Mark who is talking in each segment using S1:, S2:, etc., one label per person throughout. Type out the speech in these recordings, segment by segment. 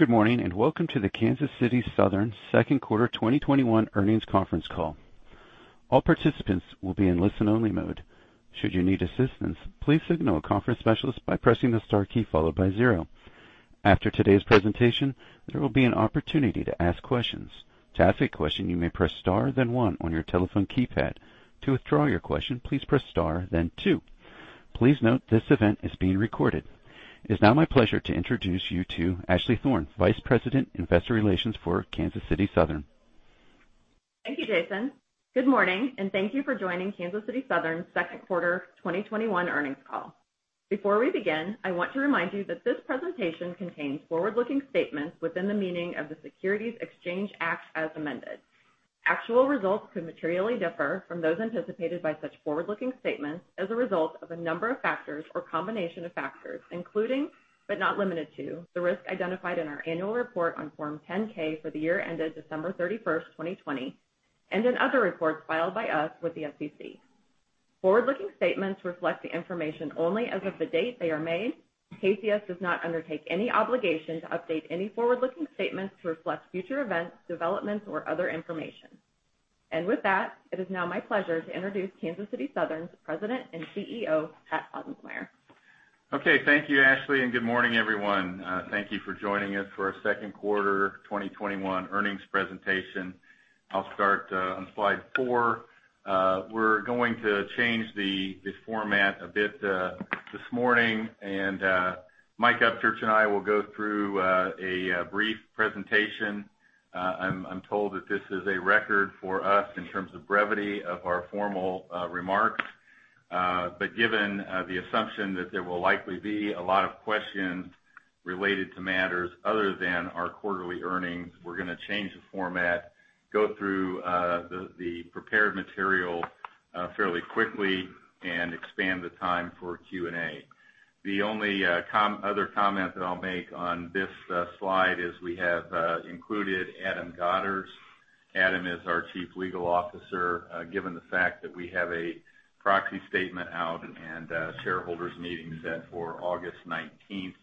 S1: Good morning, and welcome to the Kansas City Southern second quarter 2021 earnings conference call. All participants will be in listen-only mode. Should you need assistance, please signal a conference specialist by pressing the star key followed by zero. After today's presentation, there will be a opportunity to ask questions. To ask a question, you may press star then one on your telephone keypad. To withdraw your question, please press star then two. Please note this event is being recorded. It's now my pleasure to introduce you to Ashley Thorne, Vice President, Investor Relations for Kansas City Southern.
S2: Thank you, Jason. Good morning, and thank you for joining Kansas City Southern second quarter 2021 earnings call. Before we begin, I want to remind you that this presentation contains forward-looking statements within the meaning of the Securities Exchange Act as amended. Actual results could materially differ from those anticipated by such forward-looking statements as a result of a number of factors or combination of factors, including, but not limited to, the risks identified in our annual report on Form 10-K for the year ended December 31st, 2020, and in other reports filed by us with the SEC. Forward-looking statements reflect the information only as of the date they are made. KCS does not undertake any obligation to update any forward-looking statements to reflect future events, developments, or other information. With that, it is now my pleasure to introduce Kansas City Southern's President and CEO, Pat Ottensmeyer.
S3: Okay. Thank you, Ashley, and good morning, everyone. Thank you for joining us for our second quarter 2021 earnings presentation. I'll start on slide four. We're going to change the format a bit this morning, and Mike Upchurch and I will go through a brief presentation. I'm told that this is a record for us in terms of brevity of our formal remarks. Given the assumption that there will likely be a lot of questions related to matters other than our quarterly earnings, we're going to change the format, go through the prepared material fairly quickly, and expand the time for Q&A. The only other comment that I'll make on this slide is we have included Adam Godderz. Adam is our Chief Legal Officer. Given the fact that we have a proxy statement out and a shareholders meeting set for August 19th,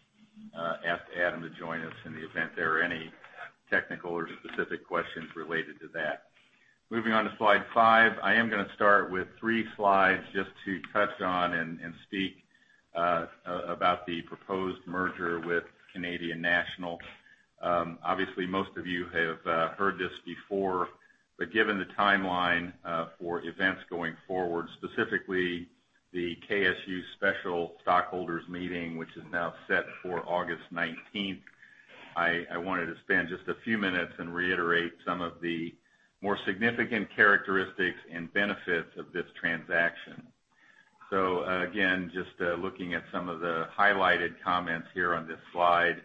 S3: I asked Adam to join us in the event there are any technical or specific questions related to that. Moving on to slide five. I am going to start with three slides just to touch on and speak about the proposed merger with Canadian National. Obviously, most of you have heard this before, but given the timeline for events going forward, specifically the KSU special stockholders meeting, which is now set for August 19th, I wanted to spend just a few minutes and reiterate some of the more significant characteristics and benefits of this transaction. Again, just looking at some of the highlighted comments here on this slide.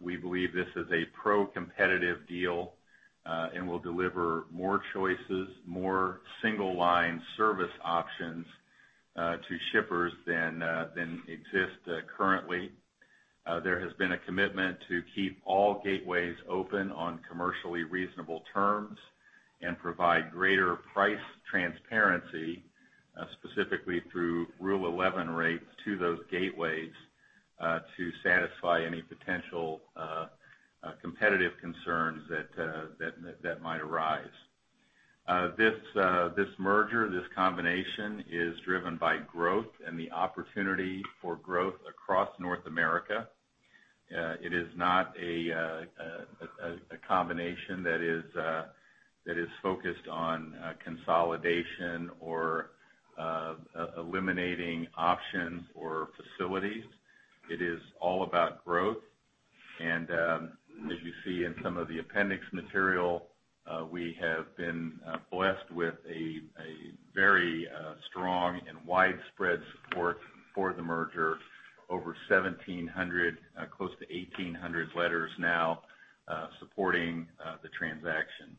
S3: We believe this is a pro-competitive deal and will deliver more choices, more single line service options to shippers than exist currently. There has been a commitment to keep all gateways open on commercially reasonable terms and provide greater price transparency, specifically through Rule 11 rates to those gateways, to satisfy any potential competitive concerns that might arise. This merger, this combination, is driven by growth and the opportunity for growth across North America. It is not a combination that is focused on consolidation or eliminating options or facilities. It is all about growth. As you see in some of the appendix material, we have been blessed with a very strong and widespread support for the merger. Over 1,700, close to 1,800 letters now supporting the transaction.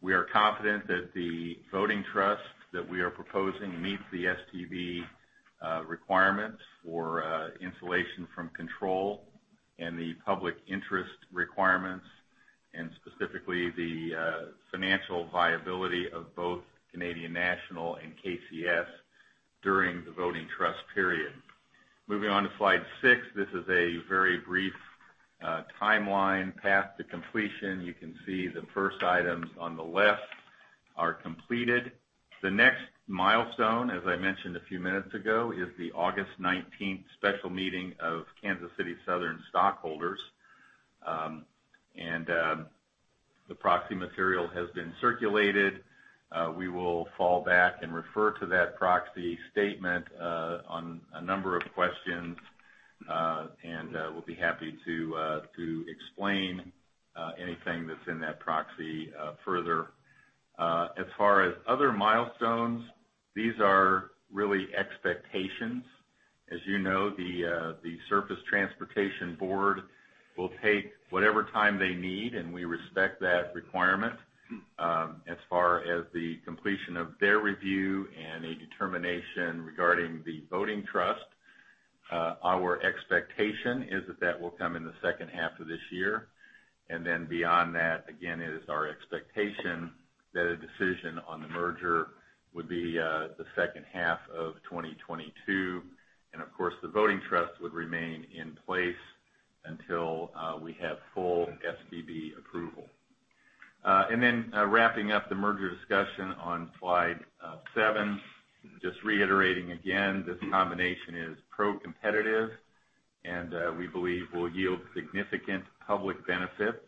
S3: We are confident that the voting trust that we are proposing meets the STB requirements for insulation from control and the public interest requirements, and specifically the financial viability of both Canadian National and KCS during the voting trust period. Moving on to slide six. This is a very brief timeline path to completion. You can see the first items on the left are completed. The next milestone, as I mentioned a few minutes ago, is the August 19th special meeting of Kansas City Southern stockholders. The proxy material has been circulated. We will fall back and refer to that proxy statement on a number of questions, and we'll be happy to explain anything that's in that proxy further. As far as other milestones, these are really expectations. As you know, the Surface Transportation Board will take whatever time they need, and we respect that requirement. As far as the completion of their review and a determination regarding the voting trust, our expectation is that that will come in the second half of this year. Beyond that, again, it is our expectation that a decision on the merger would be the second half of 2022. Of course, the voting trust would remain in place until we have full STB approval. Wrapping up the merger discussion on slide seven, just reiterating again, this combination is pro-competitive and we believe will yield significant public benefits.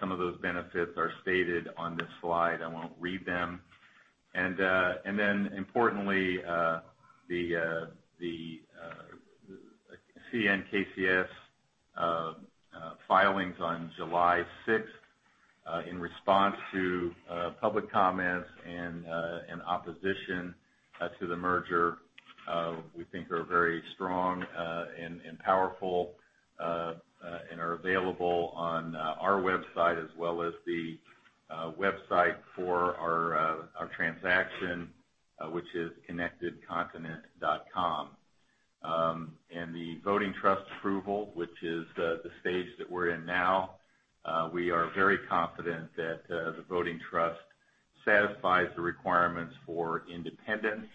S3: Some of those benefits are stated on this slide. I won't read them. Importantly, the CN KCS filings on July 6th in response to public comments and opposition to the merger, we think are very strong and powerful, and are available on our website as well as the website for our transaction, which is connectedcontinent.com. The voting trust approval, which is the stage that we're in now, we are very confident that the voting trust satisfies the requirements for independence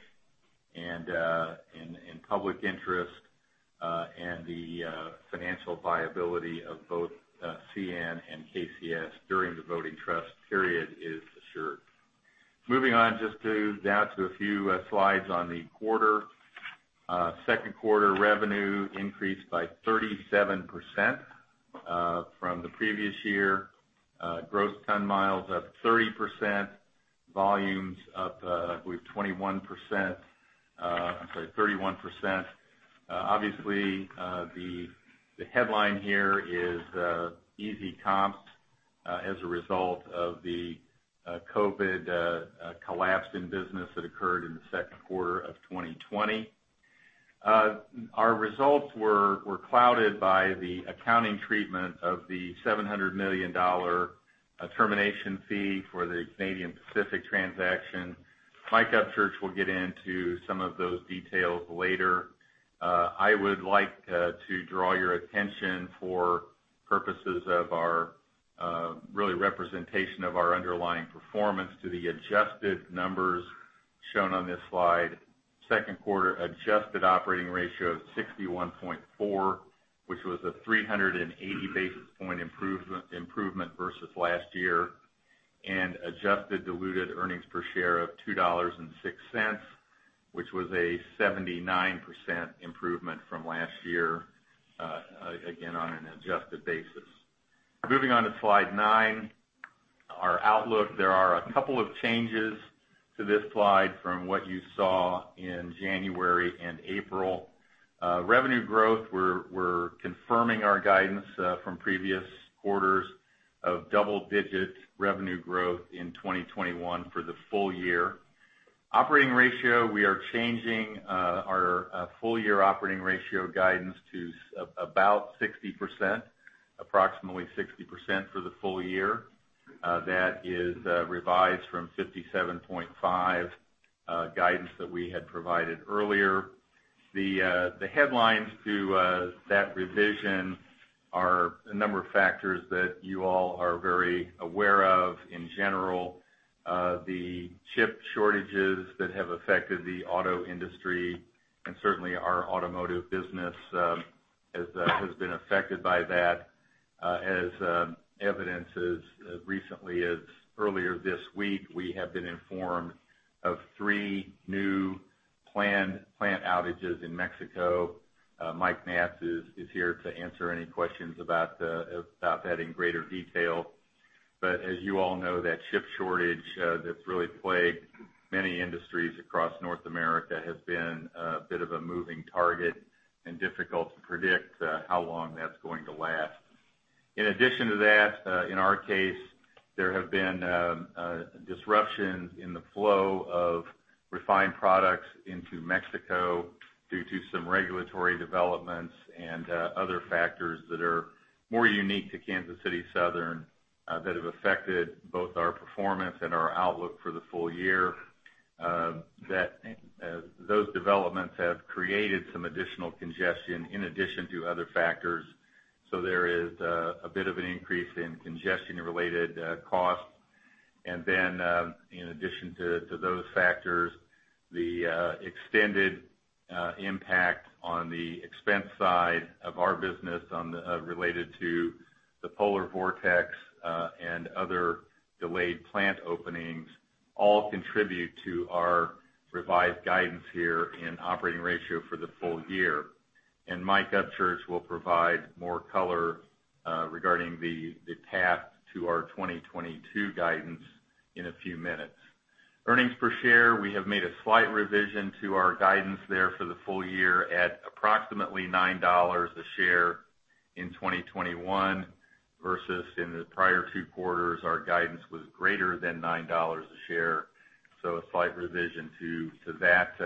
S3: and public interest, and the financial viability of both CN and KCS during the voting trust period is assured. Moving on just down to a few slides on the quarter. Second quarter revenue increased by 37% from the previous year. Gross ton miles up 30%, volumes up, I believe 21%, I'm sorry, 31%. Obviously, the headline here is easy comps as a result of the COVID collapse in business that occurred in the second quarter of 2020. Our results were clouded by the accounting treatment of the $700 million termination fee for the Canadian Pacific transaction. Mike Upchurch will get into some of those details later. I would like to draw your attention for purposes of our really representation of our underlying performance to the adjusted numbers shown on this slide. Second quarter adjusted operating ratio of 61.4, which was a 380 basis point improvement versus last year. Adjusted diluted earnings per share of $2.06, which was a 79% improvement from last year, again, on an adjusted basis. Moving on to slide nine, our outlook. There are a couple of changes to this slide from what you saw in January and April. Revenue growth, we're confirming our guidance from previous quarters of double-digit revenue growth in 2021 for the full year. Operating ratio, we are changing our full year operating ratio guidance to about 60%, approximately 60% for the full year. That is revised from 57.5 guidance that we had provided earlier. The headlines to that revision are a number of factors that you all are very aware of in general. The chip shortages that have affected the auto industry, certainly our automotive business has been affected by that as evidence as recently as earlier this week, we have been informed of three new planned plant outages in Mexico. Mike Naatz is here to answer any questions about that in greater detail. As you all know, that chip shortage that's really plagued many industries across North America has been a bit of a moving target and difficult to predict how long that's going to last. In addition to that, in our case, there have been disruptions in the flow of refined products into Mexico due to some regulatory developments and other factors that are more unique to Kansas City Southern that have affected both our performance and our outlook for the full year. Those developments have created some additional congestion in addition to other factors. There is a bit of an increase in congestion-related costs. In addition to those factors, the extended impact on the expense side of our business related to the polar vortex, and other delayed plant openings all contribute to our revised guidance here in operating ratio for the full year. Mike Upchurch will provide more color regarding the path to our 2022 guidance in a few minutes. Earnings per share, we have made a slight revision to our guidance there for the full year at approximately $9 a share in 2021 versus in the prior two quarters, our guidance was greater than $9 a share. A slight revision to that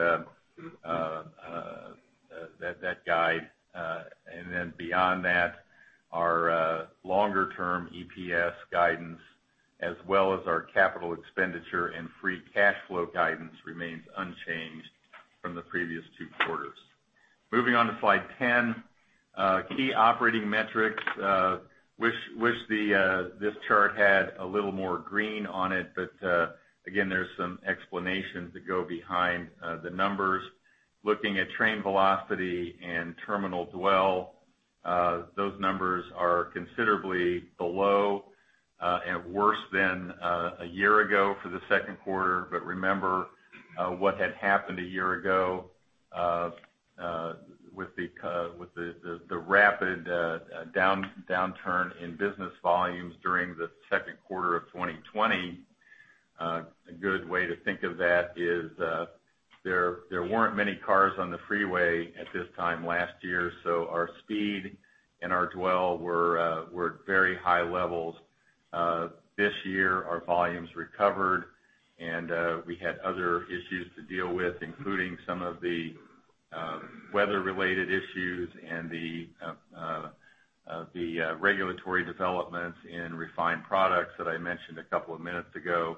S3: guide. Beyond that, our longer term EPS guidance as well as our capital expenditure and free cash flow guidance remains unchanged from the previous two quarters. Moving on to slide 10, key operating metrics. Wish this chart had a little more green on it, again, there's some explanations that go behind the numbers. Looking at train velocity and terminal dwell, those numbers are considerably below, and worse than a year ago for the second quarter. Remember what had happened a year ago with the rapid downturn in business volumes during the second quarter of 2020. A good way to think of that is, there weren't many cars on the freeway at this time last year. Our speed and our dwell were at very high levels. This year, our volumes recovered, and we had other issues to deal with, including some of the weather-related issues and the regulatory developments in refined products that I mentioned a couple of minutes ago.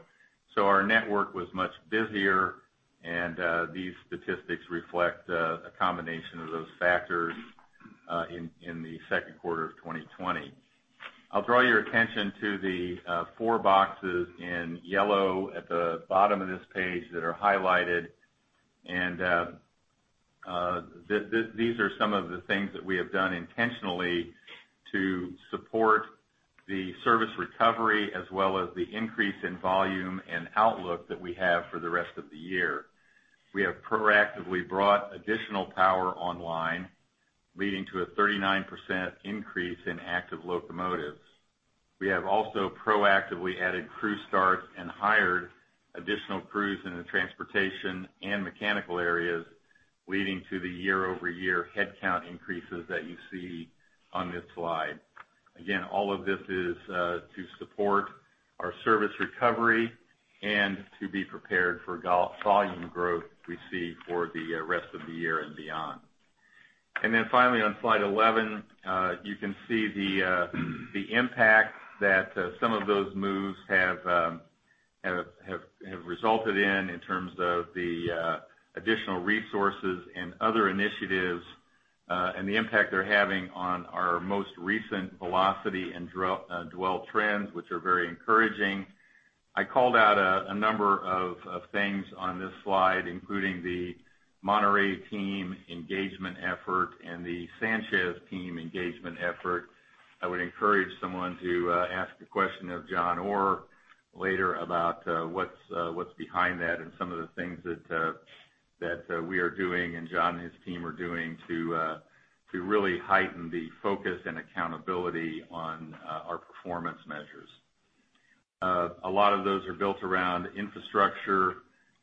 S3: Our network was much busier, and these statistics reflect a combination of those factors in the second quarter of 2020. I'll draw your attention to the four boxes in yellow at the bottom of this page that are highlighted. These are some of the things that we have done intentionally to support the service recovery as well as the increase in volume and outlook that we have for the rest of the year. We have proactively brought additional power online, leading to a 39% increase in active locomotives. We have also proactively added crew starts and hired additional crews in the transportation and mechanical areas, leading to the year-over-year headcount increases that you see on this slide. Again, all of this is to support our service recovery and to be prepared for volume growth we see for the rest of the year and beyond. Finally, on slide 11, you can see the impact that some of those moves have resulted in terms of the additional resources and other initiatives, and the impact they're having on our most recent velocity and dwell trends, which are very encouraging. I called out a number of things on this slide, including the Monterrey team engagement effort and the Sanchez team engagement effort. I would encourage someone to ask a question of John later about what's behind that and some of the things that we are doing and John and his team are doing to really heighten the focus and accountability on our performance measures. A lot of those are built around infrastructure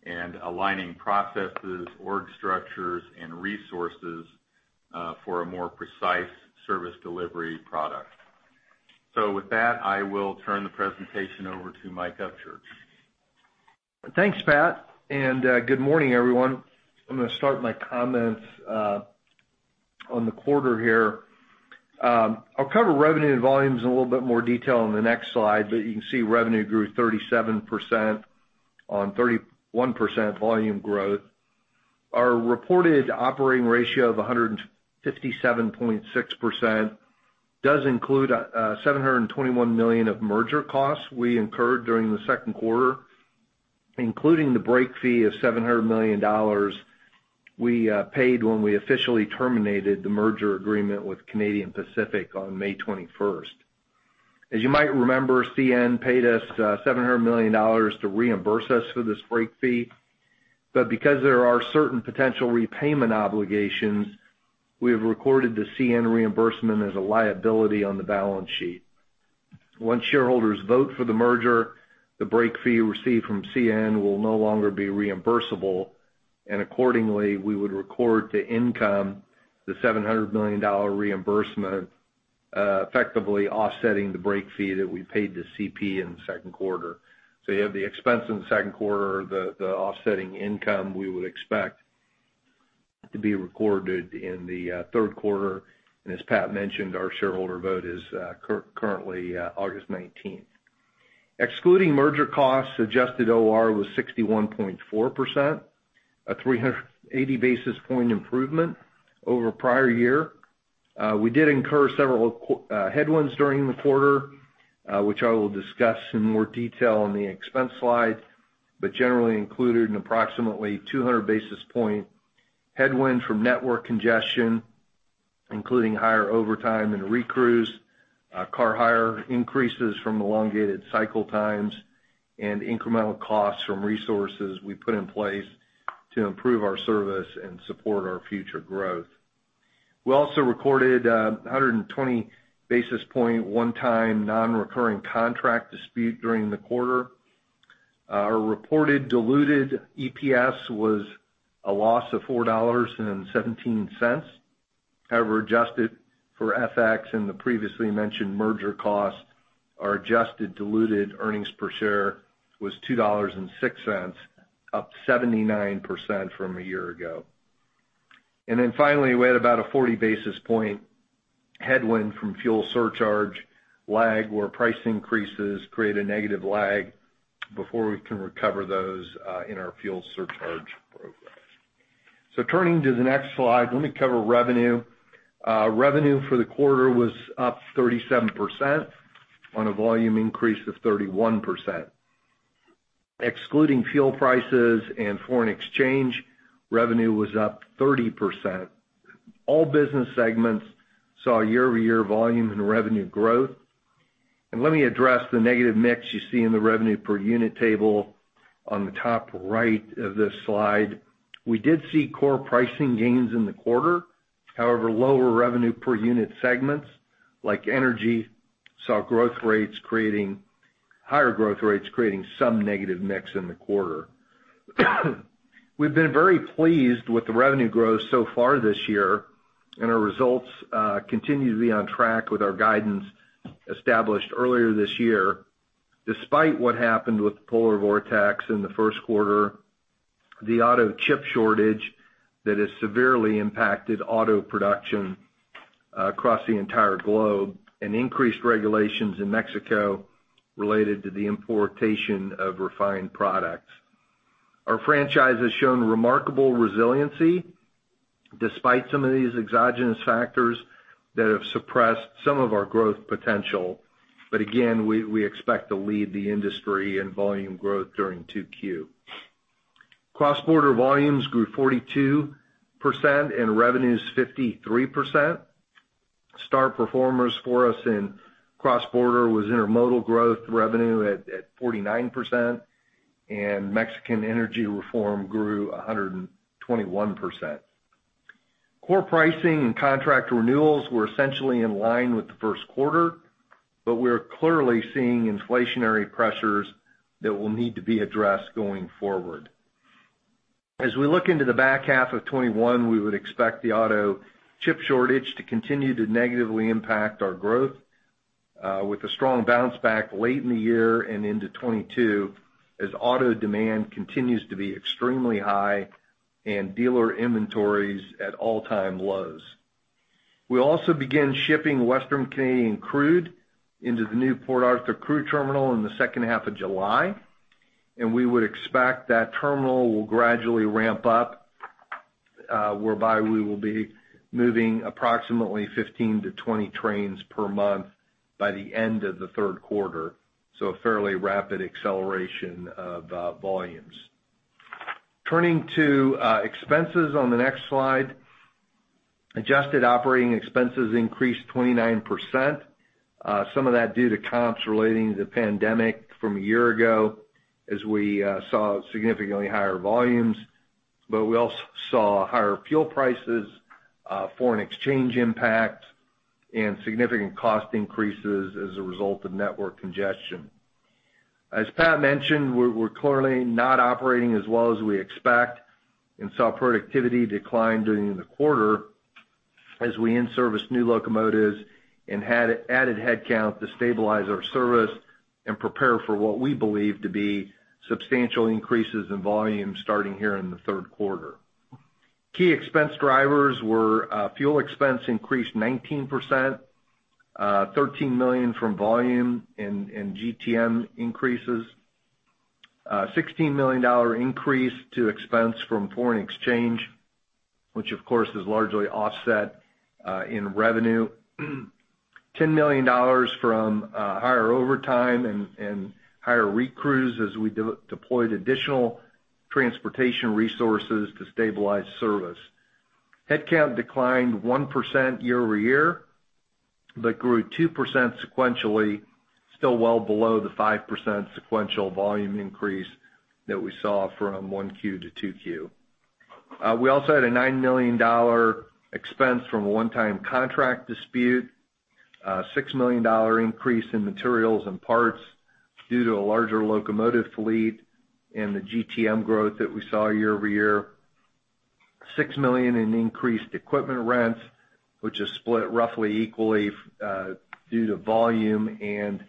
S3: and aligning processes, org structures, and resources for a more precise service delivery product. With that, I will turn the presentation over to Mike Upchurch.
S4: Thanks, Pat. Good morning, everyone. I'm going to start my comments on the quarter here. I'll cover revenue and volumes in a little bit more detail on the next slide, but you can see revenue grew 37% on 31% volume growth. Our reported operating ratio of 157.6% does include $721 million of merger costs we incurred during the second quarter, including the break fee of $700 million we paid when we officially terminated the merger agreement with Canadian Pacific on May 21st. As you might remember, CN paid us $700 million to reimburse us for this break fee. Because there are certain potential repayment obligations, we have recorded the CN reimbursement as a liability on the balance sheet. Once shareholders vote for the merger, the break fee received from CN will no longer be reimbursable, and accordingly, we would record to income the $700 million reimbursement, effectively offsetting the break fee that we paid to CP in the second quarter. You have the expense in the second quarter, the offsetting income we would expect to be recorded in the third quarter. As Pat mentioned, our shareholder vote is currently August 19th. Excluding merger costs, adjusted OR was 61.4%, a 380 basis point improvement over prior year. We did incur several headwinds during the quarter, which I will discuss in more detail on the expense slide, but generally included an approximately 200 basis point headwind from network congestion, including higher overtime and recrews, car hire increases from elongated cycle times, and incremental costs from resources we put in place to improve our service and support our future growth. We also recorded 120 basis point one-time non-recurring contract dispute during the quarter. Our reported diluted EPS was a loss of $4.17. However, adjusted for FX and the previously mentioned merger cost, our adjusted diluted earnings per share was $2.06, up 79% from a year ago. Finally, we had about a 40 basis point headwind from fuel surcharge lag, where price increases create a negative lag before we can recover those in our fuel surcharge progress. Turning to the next slide, let me cover revenue. Revenue for the quarter was up 37% on a volume increase of 31%. Excluding fuel prices and foreign exchange, revenue was up 30%. All business segments saw year-over-year volume and revenue growth. Let me address the negative mix you see in the revenue per unit table on the top right of this slide. We did see core pricing gains in the quarter. However, lower revenue per unit segments, like energy, saw higher growth rates creating some negative mix in the quarter. We've been very pleased with the revenue growth so far this year, and our results continue to be on track with our guidance established earlier this year, despite what happened with the polar vortex in the first quarter, the auto chip shortage that has severely impacted auto production across the entire globe, and increased regulations in Mexico related to the importation of refined products. Our franchise has shown remarkable resiliency despite some of these exogenous factors that have suppressed some of our growth potential. Again, we expect to lead the industry in volume growth during 2Q. Cross-border volumes grew 42% and revenues 53%. Star performers for us in cross-border was intermodal growth revenue at 49%, and Mexican energy reform grew 121%. Core pricing and contract renewals were essentially in line with the first quarter. We are clearly seeing inflationary pressures that will need to be addressed going forward. As we look into the back half of 2021, we would expect the auto chip shortage to continue to negatively impact our growth, with a strong bounce back late in the year and into 2022, as auto demand continues to be extremely high and dealer inventories at all-time lows. We also began shipping Western Canadian crude into the new Port Arthur crude terminal in the second half of July. We would expect that terminal will gradually ramp up, whereby we will be moving approximately 15-20 trains per month by the end of the third quarter, so a fairly rapid acceleration of volumes. Turning to expenses on the next slide. Adjusted operating expenses increased 29%, some of that due to comps relating to the pandemic from a year ago, as we saw significantly higher volumes. We also saw higher fuel prices, foreign exchange impact, and significant cost increases as a result of network congestion. As Pat mentioned, we're clearly not operating as well as we expect and saw productivity decline during the quarter as we in-serviced new locomotives and added headcount to stabilize our service and prepare for what we believe to be substantial increases in volume starting here in the third quarter. Key expense drivers were fuel expense increased 19%, $13 million from volume and GTM increases, a $16 million increase to expense from foreign exchange, which of course is largely offset in revenue, $10 million from higher overtime and higher recrews as we deployed additional transportation resources to stabilize service. Headcount declined 1% year-over-year but grew 2% sequentially, still well below the 5% sequential volume increase that we saw from 1Q to 2Q. We also had a $9 million expense from a one-time contract dispute, a $6 million increase in materials and parts due to a larger locomotive fleet and the GTM growth that we saw year-over-year, $6 million in increased equipment rents, which is split roughly equally due to volume and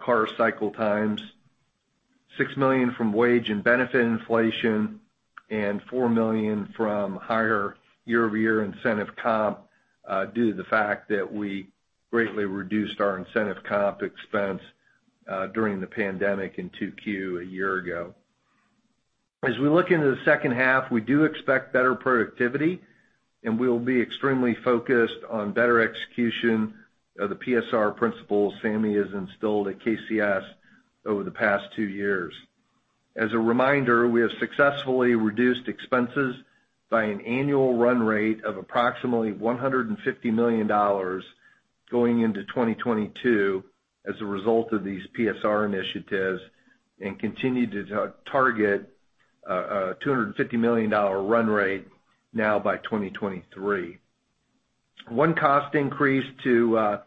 S4: car cycle times, $6 million from wage and benefit inflation, and $4 million from higher year-over-year incentive comp due to the fact that we greatly reduced our incentive comp expense during the pandemic in 2Q a year ago. As we look into the second half, we do expect better productivity, and we will be extremely focused on better execution of the PSR principles Sameh has instilled at KCS over the past two years. As a reminder, we have successfully reduced expenses by an annual run rate of approximately $150 million going into 2022 as a result of these PSR initiatives and continue to target a $250 million run rate now by 2023. One cost increase to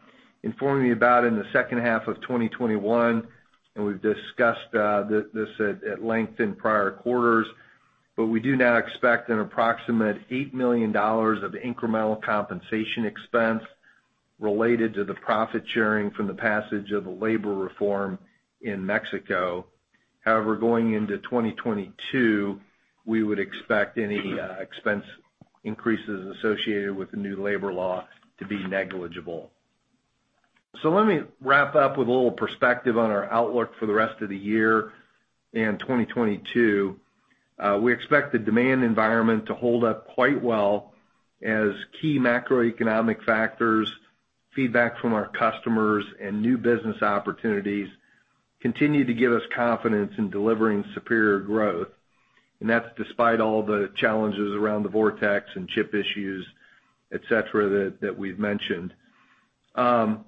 S4: inform you about in the second half of 2021, and we've discussed this at length in prior quarters, but we do now expect an approximate $8 million of incremental compensation expense related to the profit sharing from the passage of the labor reform in Mexico. However, going into 2022, we would expect any expense increases associated with the new labor law to be negligible. Let me wrap up with a little perspective on our outlook for the rest of the year in 2022. We expect the demand environment to hold up quite well as key macroeconomic factors, feedback from our customers, and new business opportunities continue to give us confidence in delivering superior growth. That's despite all the challenges around the bottlenecks and chip issues, et cetera, that we've mentioned. During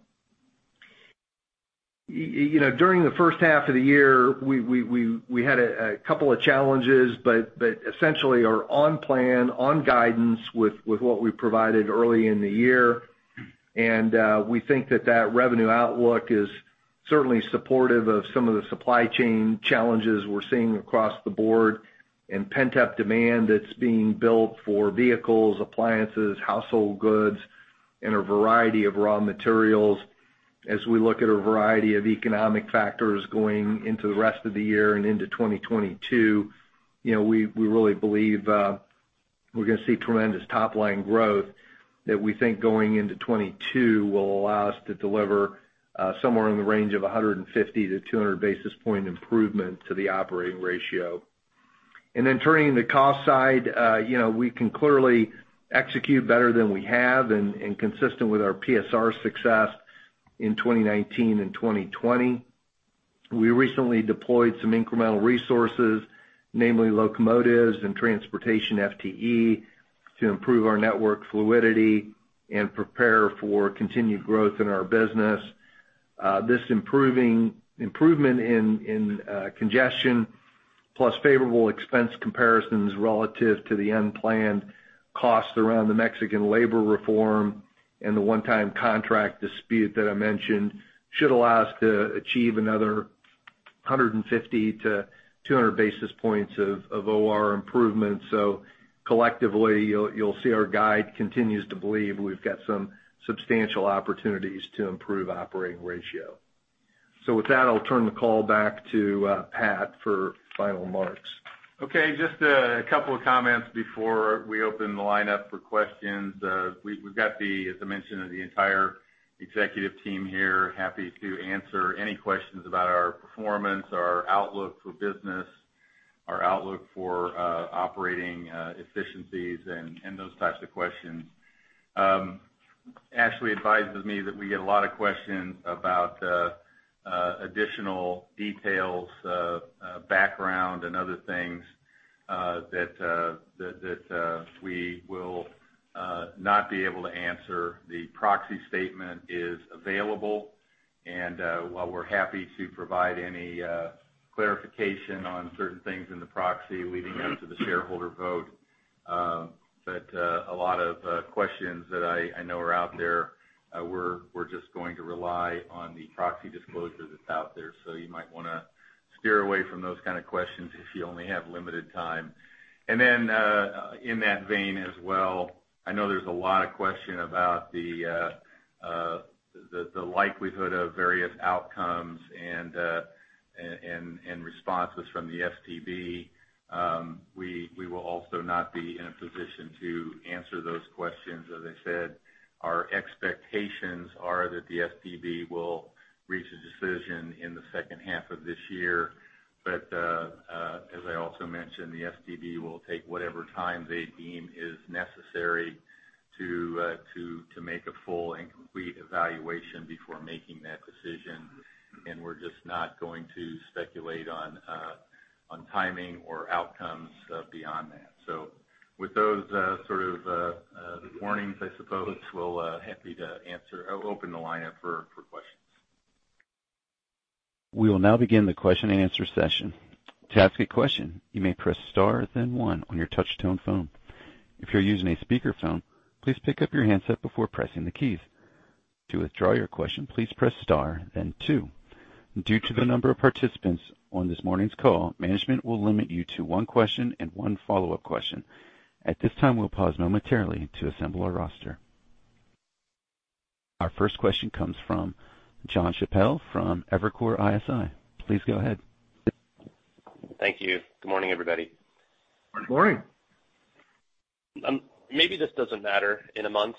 S4: the first half of the year, we had a couple of challenges, but essentially are on plan, on guidance with what we provided early in the year. We think that revenue outlook is certainly supportive of some of the supply chain challenges we're seeing across the board, and pent-up demand that's being built for vehicles, appliances, household goods, and a variety of raw materials. As we look at a variety of economic factors going into the rest of the year and into 2022, we really believe we're going to see tremendous top-line growth that we think going into 2022 will allow us to deliver somewhere in the range of 150-200 basis point improvement to the operating ratio. Turning to the cost side, we can clearly execute better than we have and consistent with our PSR success in 2019 and 2020. We recently deployed some incremental resources, namely locomotives and transportation FTE, to improve our network fluidity and prepare for continued growth in our business. This improvement in congestion, plus favorable expense comparisons relative to the unplanned costs around the Mexican labor reform and the one-time contract dispute that I mentioned, should allow us to achieve another 150-200 basis points of OR improvements. Collectively, you'll see our guide continues to believe we've got some substantial opportunities to improve operating ratio. With that, I'll turn the call back to Pat for final remarks.
S3: Just a couple of comments before we open the line up for questions. We've got the, as I mentioned, the entire executive team here, happy to answer any questions about our performance, our outlook for business, our outlook for operating efficiencies, and those types of questions. Ashley advises me that we get a lot of questions about additional details, background, and other things that we will not be able to answer. The proxy statement is available, and while we're happy to provide any clarification on certain things in the proxy leading up to the shareholder vote, but a lot of questions that I know are out there, we're just going to rely on the proxy disclosure that's out there. You might want to steer away from those kind of questions if you only have limited time. In that vein as well, I know there's a lot of question about the likelihood of various outcomes and responses from the STB. We will also not be in a position to answer those questions. As I said, our expectations are that the STB will reach a decision in the second half of this year. As I also mentioned, the STB will take whatever time they deem is necessary to make a full and complete evaluation before making that decision. We're just not going to speculate on timing or outcomes beyond that. With those sort of warnings, I suppose, we're happy to open the line up for questions.
S1: We will now begin the question and answer session. To ask a question, you may press star then one on your touch-tone phone. If you're using a speakerphone, please pick up your handset before pressing the keys. To withdraw your question, please press star then two. Due to the number of participants on this morning's call, management will limit you to one question and one follow-up question. At this time, we'll pause momentarily to assemble our roster. Our first question comes from Jon Chappell from Evercore ISI. Please go ahead.
S5: Thank you. Good morning, everybody.
S4: Good morning.
S5: Maybe this doesn't matter in a month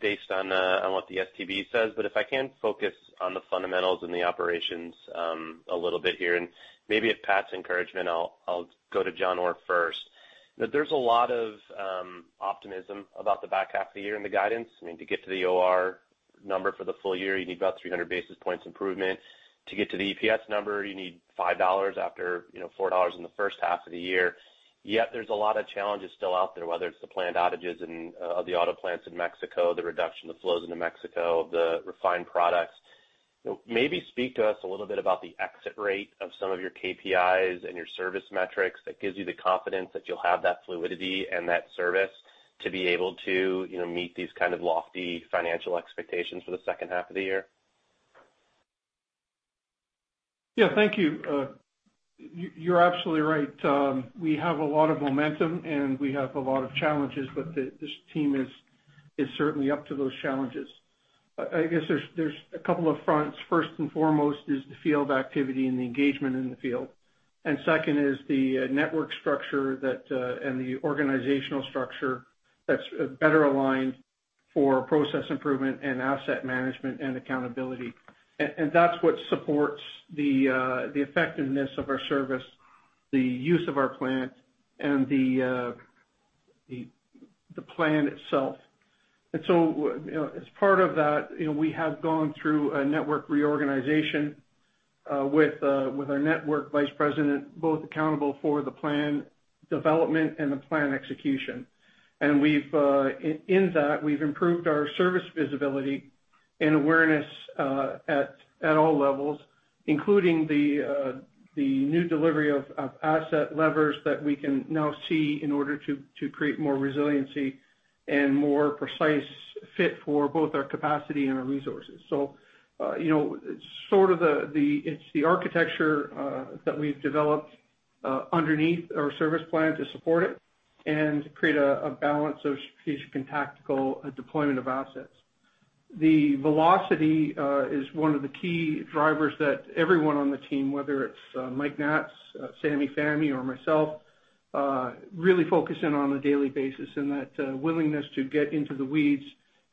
S5: based on what the STB says, but if I can focus on the fundamentals and the operations a little bit here, and maybe at Pat's encouragement, I'll go to John Orr first. There's a lot of optimism about the back half of the year in the guidance. To get to the OR number for the full year, you need about 300 basis points improvement. To get to the EPS number, you need $5 after $4 in the first half of the year. There's a lot of challenges still out there, whether it's the planned outages of the auto plants in Mexico, the reduction of flows into Mexico, the refined products. Maybe speak to us a little bit about the exit rate of some of your KPIs and your service metrics that gives you the confidence that you'll have that fluidity and that service to be able to meet these kind of lofty financial expectations for the second half of the year.
S6: Yeah. Thank you. You're absolutely right. We have a lot of momentum, and we have a lot of challenges, but this team is certainly up to those challenges. I guess there's a couple of fronts. First and foremost is the field activity and the engagement in the field, and second is the network structure and the organizational structure that's better aligned for process improvement and asset management and accountability. That's what supports the effectiveness of our service, the use of our plant, and the plan itself. As part of that, we have gone through a network reorganization with our network vice president, both accountable for the plan development and the plan execution. In that, we've improved our service visibility and awareness at all levels, including the new delivery of asset levers that we can now see in order to create more resiliency and more precise fit for both our capacity and our resources. It's the architecture that we've developed underneath our service plan to support it and create a balance of strategic and tactical deployment of assets. The velocity is one of the key drivers that everyone on the team, whether it's Mike Naatz, Sameh Fahmy, or myself, really focus in on a daily basis, and that willingness to get into the weeds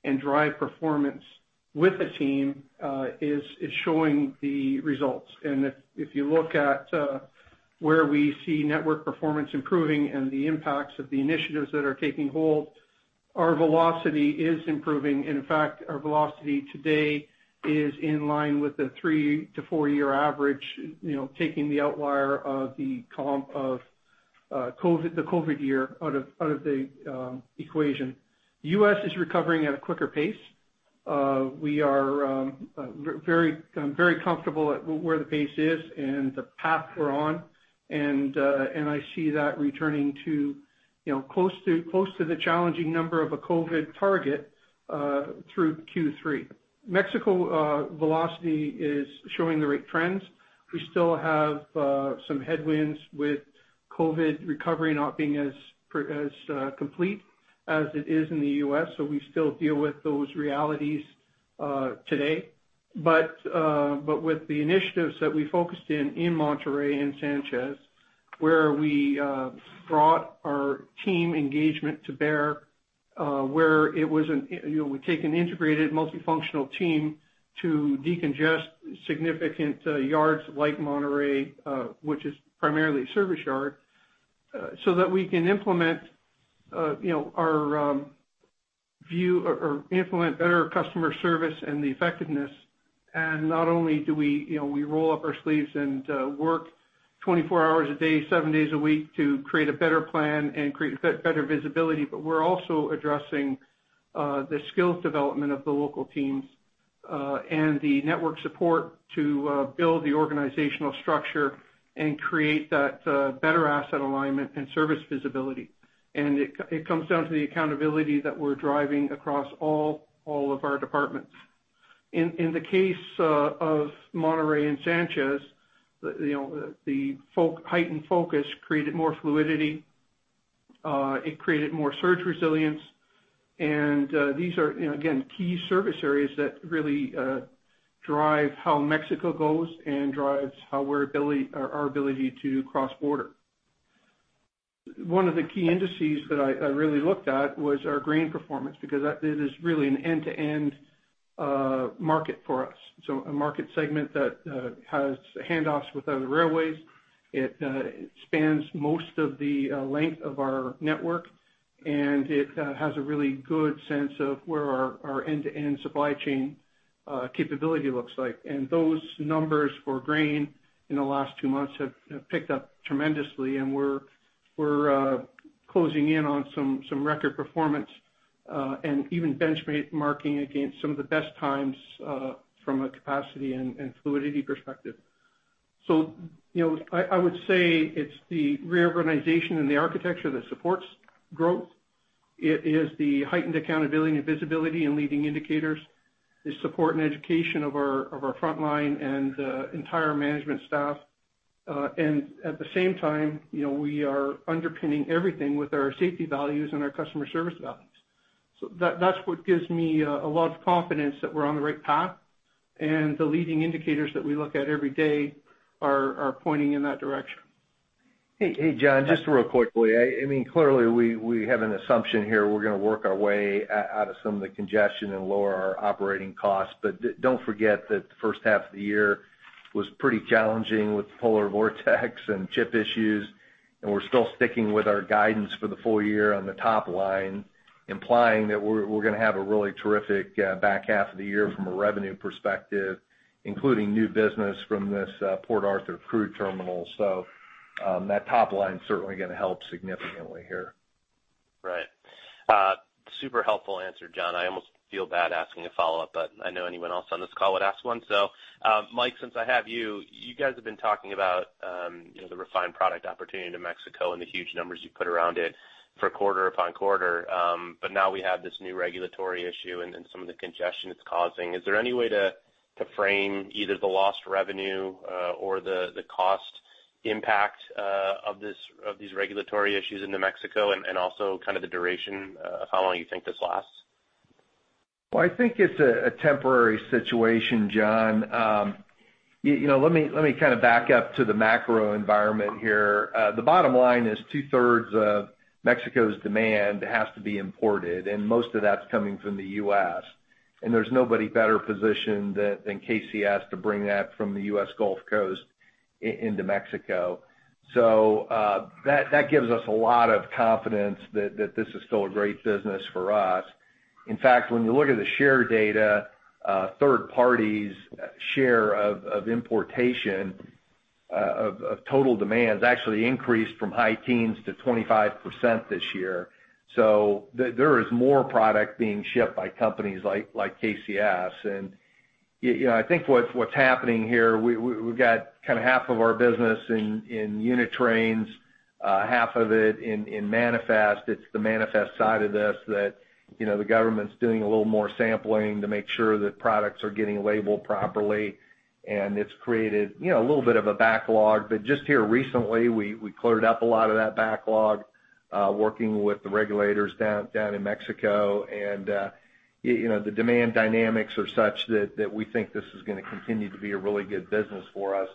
S6: and drive performance with the team is showing the results. If you look at where we see network performance improving and the impacts of the initiatives that are taking hold, our velocity is improving. In fact, our velocity today is in line with the three-four-year average, taking the outlier of the comp of the COVID year out of the equation. The U.S. is recovering at a quicker pace. We are very comfortable at where the pace is and the path we're on. I see that returning to close to the challenging number of a COVID target through Q3. Mexico velocity is showing the right trends. We still have some headwinds with COVID recovery not being as complete as it is in the U.S. We still deal with those realities today. With the initiatives that we focused in Monterrey and Sanchez, where we brought our team engagement to bear where we take an integrated multifunctional team to decongest significant yards like Monterrey, which is primarily a service yard. That we can implement better customer service and the effectiveness. Not only do we roll up our sleeves and work 24 hours a day, seven days a week to create a better plan and create better visibility, but we're also addressing the skills development of the local teams, and the network support to build the organizational structure and create that better asset alignment and service visibility. It comes down to the accountability that we're driving across all of our departments. In the case of Monterrey and Sanchez, the heightened focus created more fluidity, it created more surge resilience. These are, again, key service areas that really drive how Mexico goes and drives our ability to cross-border. One of the key indices that I really looked at was our grain performance, because it is really an end-to-end market for us. A market segment that has handoffs with other railways. It spans most of the length of our network, and it has a really good sense of where our end-to-end supply chain capability looks like. Those numbers for grain in the last two months have picked up tremendously, and we're closing in on some record performance, and even benchmarking against some of the best times from a capacity and fluidity perspective. I would say it's the re-organization and the architecture that supports growth. It is the heightened accountability and visibility and leading indicators. The support and education of our front line and entire management staff. At the same time, we are underpinning everything with our safety values and our customer service values. That's what gives me a lot of confidence that we're on the right path, and the leading indicators that we look at every day are pointing in that direction.
S3: Hey, Jon, just real quickly. Clearly, we have an assumption here we're going to work our way out of some of the congestion and lower our operating costs. Don't forget that the first half of the year was pretty challenging with polar vortex and chip issues, and we're still sticking with our guidance for the full year on the top line, implying that we're going to have a really terrific back half of the year from a revenue perspective, including new business from this Port Arthur crude terminal. That top line's certainly going to help significantly here.
S5: Right. Super helpful answer, John. I almost feel bad asking a follow-up, but I know anyone else on this call would ask one. Mike, since I have you guys have been talking about the refined product opportunity to Mexico and the huge numbers you put around it for quarter upon quarter. But now we have this new regulatory issue and then some of the congestion it's causing. Is there any way to frame either the lost revenue or the cost impact of these regulatory issues in Mexico, and also the duration of how long you think this lasts?
S4: I think it's a temporary situation, John. Let me back up to the macro environment here. The bottom line is two-thirds of Mexico's demand has to be imported, and most of that's coming from the U.S., and there's nobody better positioned than KCS to bring that from the U.S. Gulf Coast into Mexico. That gives us a lot of confidence that this is still a great business for us. In fact, when you look at the share data, third parties' share of importation of total demand has actually increased from high teens to 25% this year. There is more product being shipped by companies like KCS. I think what's happening here, we've got half of our business in unit trains, half of it in manifest. It's the manifest side of this that the government's doing a little more sampling to make sure that products are getting labeled properly, and it's created a little bit of a backlog. Just here recently, we cleared up a lot of that backlog, working with the regulators down in Mexico. The demand dynamics are such that we think this is going to continue to be a really good business for us.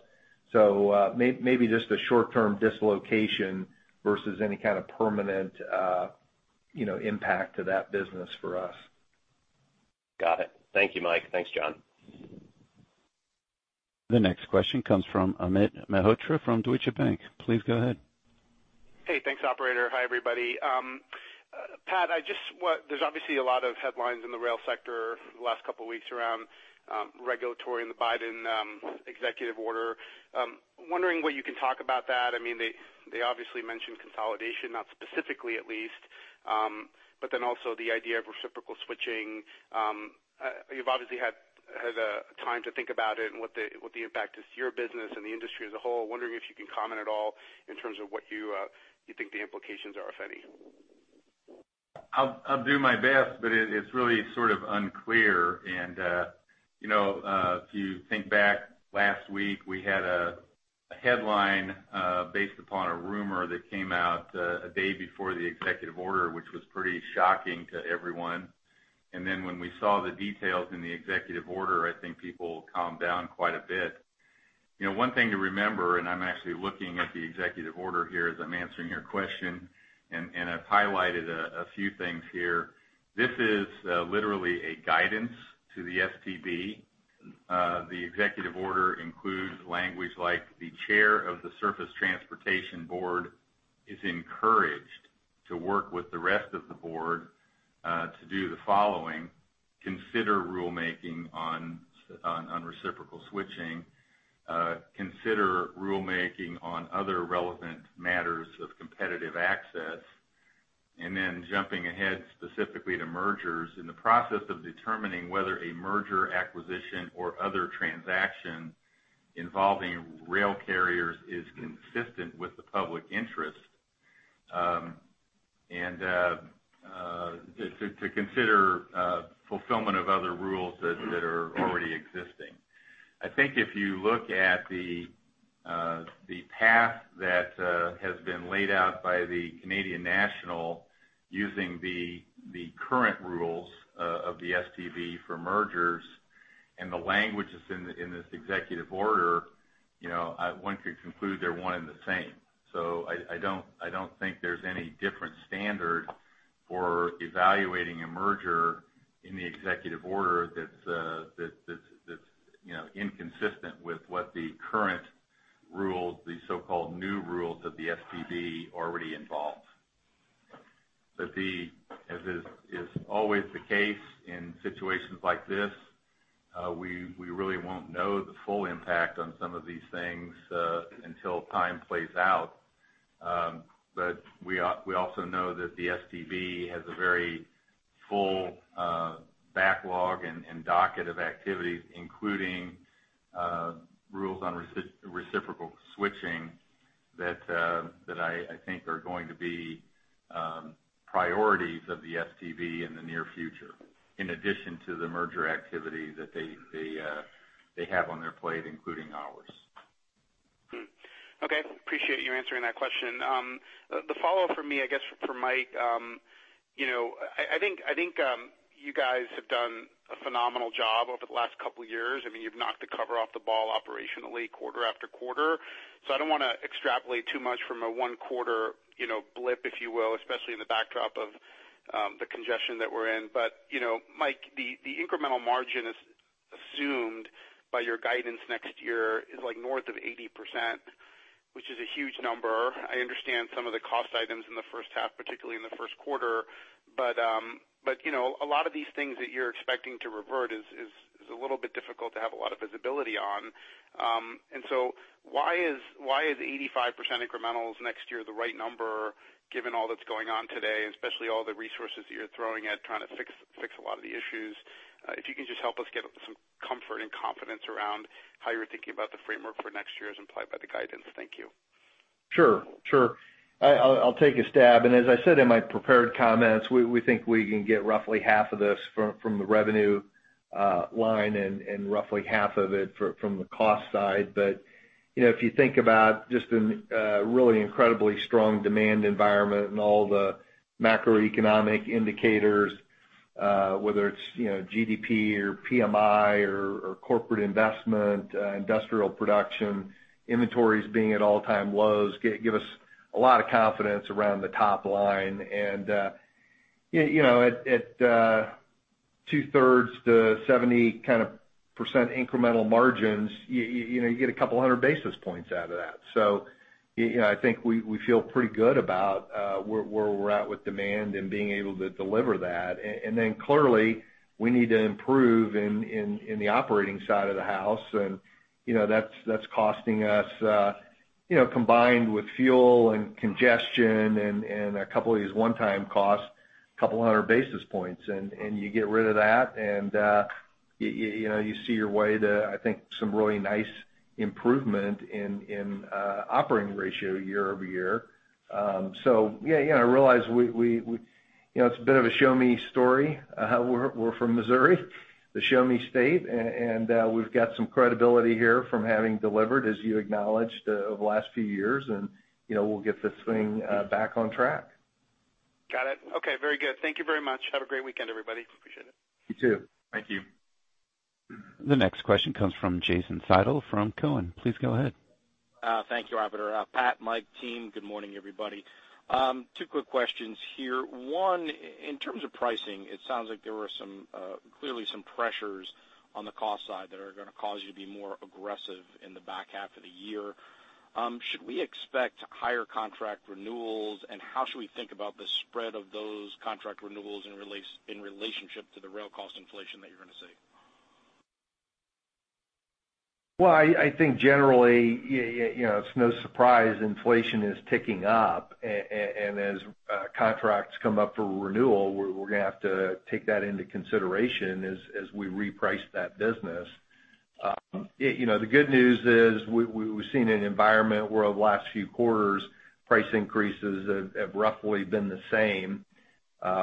S4: Maybe just a short-term dislocation versus any kind of permanent impact to that business for us.
S5: Got it. Thank you, Mike. Thanks, John.
S1: The next question comes from Amit Mehrotra from Deutsche Bank. Please go ahead.
S7: Hey, thanks operator. Hi, everybody. Pat, there's obviously a lot of headlines in the rail sector for the last couple of weeks around regulatory and the Biden executive order. Wondering what you can talk about that. They obviously mentioned consolidation, not specifically at least, but then also the idea of reciprocal switching. You've obviously had time to think about it and what the impact is to your business and the industry as a whole. Wondering if you can comment at all in terms of what you think the implications are, if any.
S3: I'll do my best, but it's really sort of unclear. If you think back last week, we had a headline based upon a rumor that came out a day before the executive order, which was pretty shocking to everyone. Then when we saw the details in the executive order, I think people calmed down quite a bit. One thing to remember, and I'm actually looking at the executive order here as I'm answering your question, and I've highlighted a few things here. This is literally a guidance to the STB. The executive order includes language like, the Chair of the Surface Transportation Board is encouraged to work with the rest of the Board to do the following. Consider rulemaking on reciprocal switching, consider rulemaking on other relevant matters of competitive access. Then jumping ahead specifically to mergers. In the process of determining whether a merger acquisition or other transaction involving rail carriers is consistent with the public interest, and to consider fulfillment of other rules that are already existing. I think if you look at the path that has been laid out by the Canadian National using the current rules of the STB for mergers and the languages in this executive order, one could conclude they're one and the same. I don't think there's any different standard for evaluating a merger in the executive order that's inconsistent with what the current rules, the so-called new rules that the STB already involve. As is always the case in situations like this, we really won't know the full impact on some of these things until time plays out. We also know that the STB has a very full backlog and docket of activities, including rules on reciprocal switching that I think are going to be priorities of the STB in the near future, in addition to the merger activity that they have on their plate, including ours.
S7: Okay. Appreciate you answering that question. The follow-up from me, I guess for Mike. I think you guys have done a phenomenal job over the last two years. You've knocked the cover off the ball operationally quarter after quarter. I don't want to extrapolate too much from a one quarter blip, if you will, especially in the backdrop of the congestion that we're in. Mike, the incremental margin assumed by your guidance next year is north of 80%, which is a huge number. I understand some of the cost items in the 1st half, particularly in the 1st quarter, a lot of these things that you're expecting to revert is a little bit difficult to have a lot of visibility on. Why is 85% incrementals next year the right number given all that's going on today, especially all the resources that you're throwing at trying to fix a lot of the issues? If you can just help us get some comfort and confidence around how you're thinking about the framework for next year as implied by the guidance. Thank you.
S4: Sure. I'll take a stab. As I said in my prepared comments, we think we can get roughly half of this from the revenue line and roughly half of it from the cost side. If you think about just a really incredibly strong demand environment and all the macroeconomic indicators, whether it's GDP or PMI or corporate investment, industrial production, inventories being at all-time lows, give us a lot of confidence around the top line. At 2/3 to 70% incremental margins, you get 200 basis points out of that. I think we feel pretty good about where we're at with demand and being able to deliver that. Clearly, we need to improve in the operating side of the house. That's costing us, combined with fuel and congestion and a couple of these one-time costs, 200 basis points. You get rid of that, and you see your way to, I think, some really nice improvement in operating ratio year-over-year. Yeah, I realize it's a bit of a show-me story. We're from Missouri, the show-me state. We've got some credibility here from having delivered, as you acknowledged, over the last few years. We'll get this thing back on track.
S7: Got it. Okay. Very good. Thank you very much. Have a great weekend, everybody. Appreciate it.
S4: You too.
S7: Thank you.
S1: The next question comes from Jason Seidl from Cowen. Please go ahead.
S8: Thank you, operator. Pat, Mike, team, good morning, everybody. Two quick questions here. One, in terms of pricing, it sounds like there were clearly some pressures on the cost side that are going to cause you to be more aggressive in the back half of the year. Should we expect higher contract renewals, and how should we think about the spread of those contract renewals in relationship to the rail cost inflation that you're going to see?
S4: Well, I think generally, it's no surprise inflation is ticking up. As contracts come up for renewal, we're going to have to take that into consideration as we reprice that business. The good news is we've seen an environment where over the last few quarters, price increases have roughly been the same.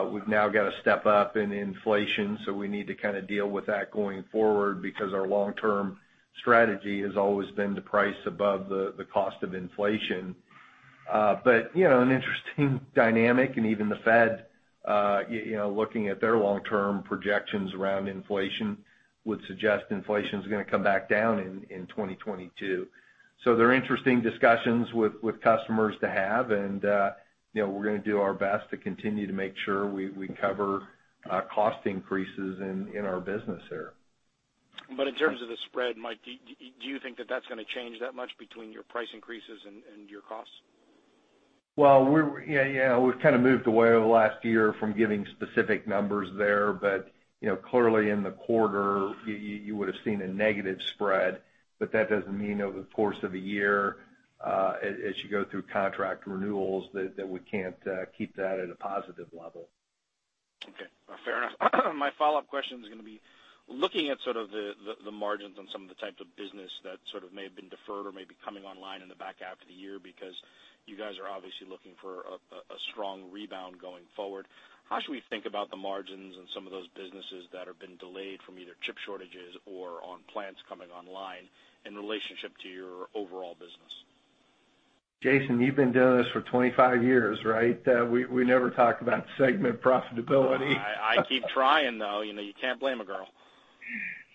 S4: We've now got a step up in inflation, we need to kind of deal with that going forward because our long-term strategy has always been to price above the cost of inflation. An interesting dynamic, and even the Fed, looking at their long-term projections around inflation, would suggest inflation is going to come back down in 2022. They're interesting discussions with customers to have, and we're going to do our best to continue to make sure we cover cost increases in our business there.
S8: In terms of the spread, Mike, do you think that that's going to change that much between your price increases and your costs?
S4: Well, yeah. We've kind of moved away over the last year from giving specific numbers there. Clearly in the quarter, you would have seen a negative spread. That doesn't mean over the course of a year, as you go through contract renewals, that we can't keep that at a positive level.
S8: Okay. Fair enough. My follow-up question is going to be looking at sort of the margins on some of the types of business that sort of may have been deferred or may be coming online in the back half of the year because you guys are obviously looking for a strong rebound going forward. How should we think about the margins and some of those businesses that have been delayed from either chip shortages or on plants coming online in relationship to your overall business?
S4: Jason, you've been doing this for 25 years, right? We never talk about segment profitability.
S8: I keep trying, though. You can't blame a girl.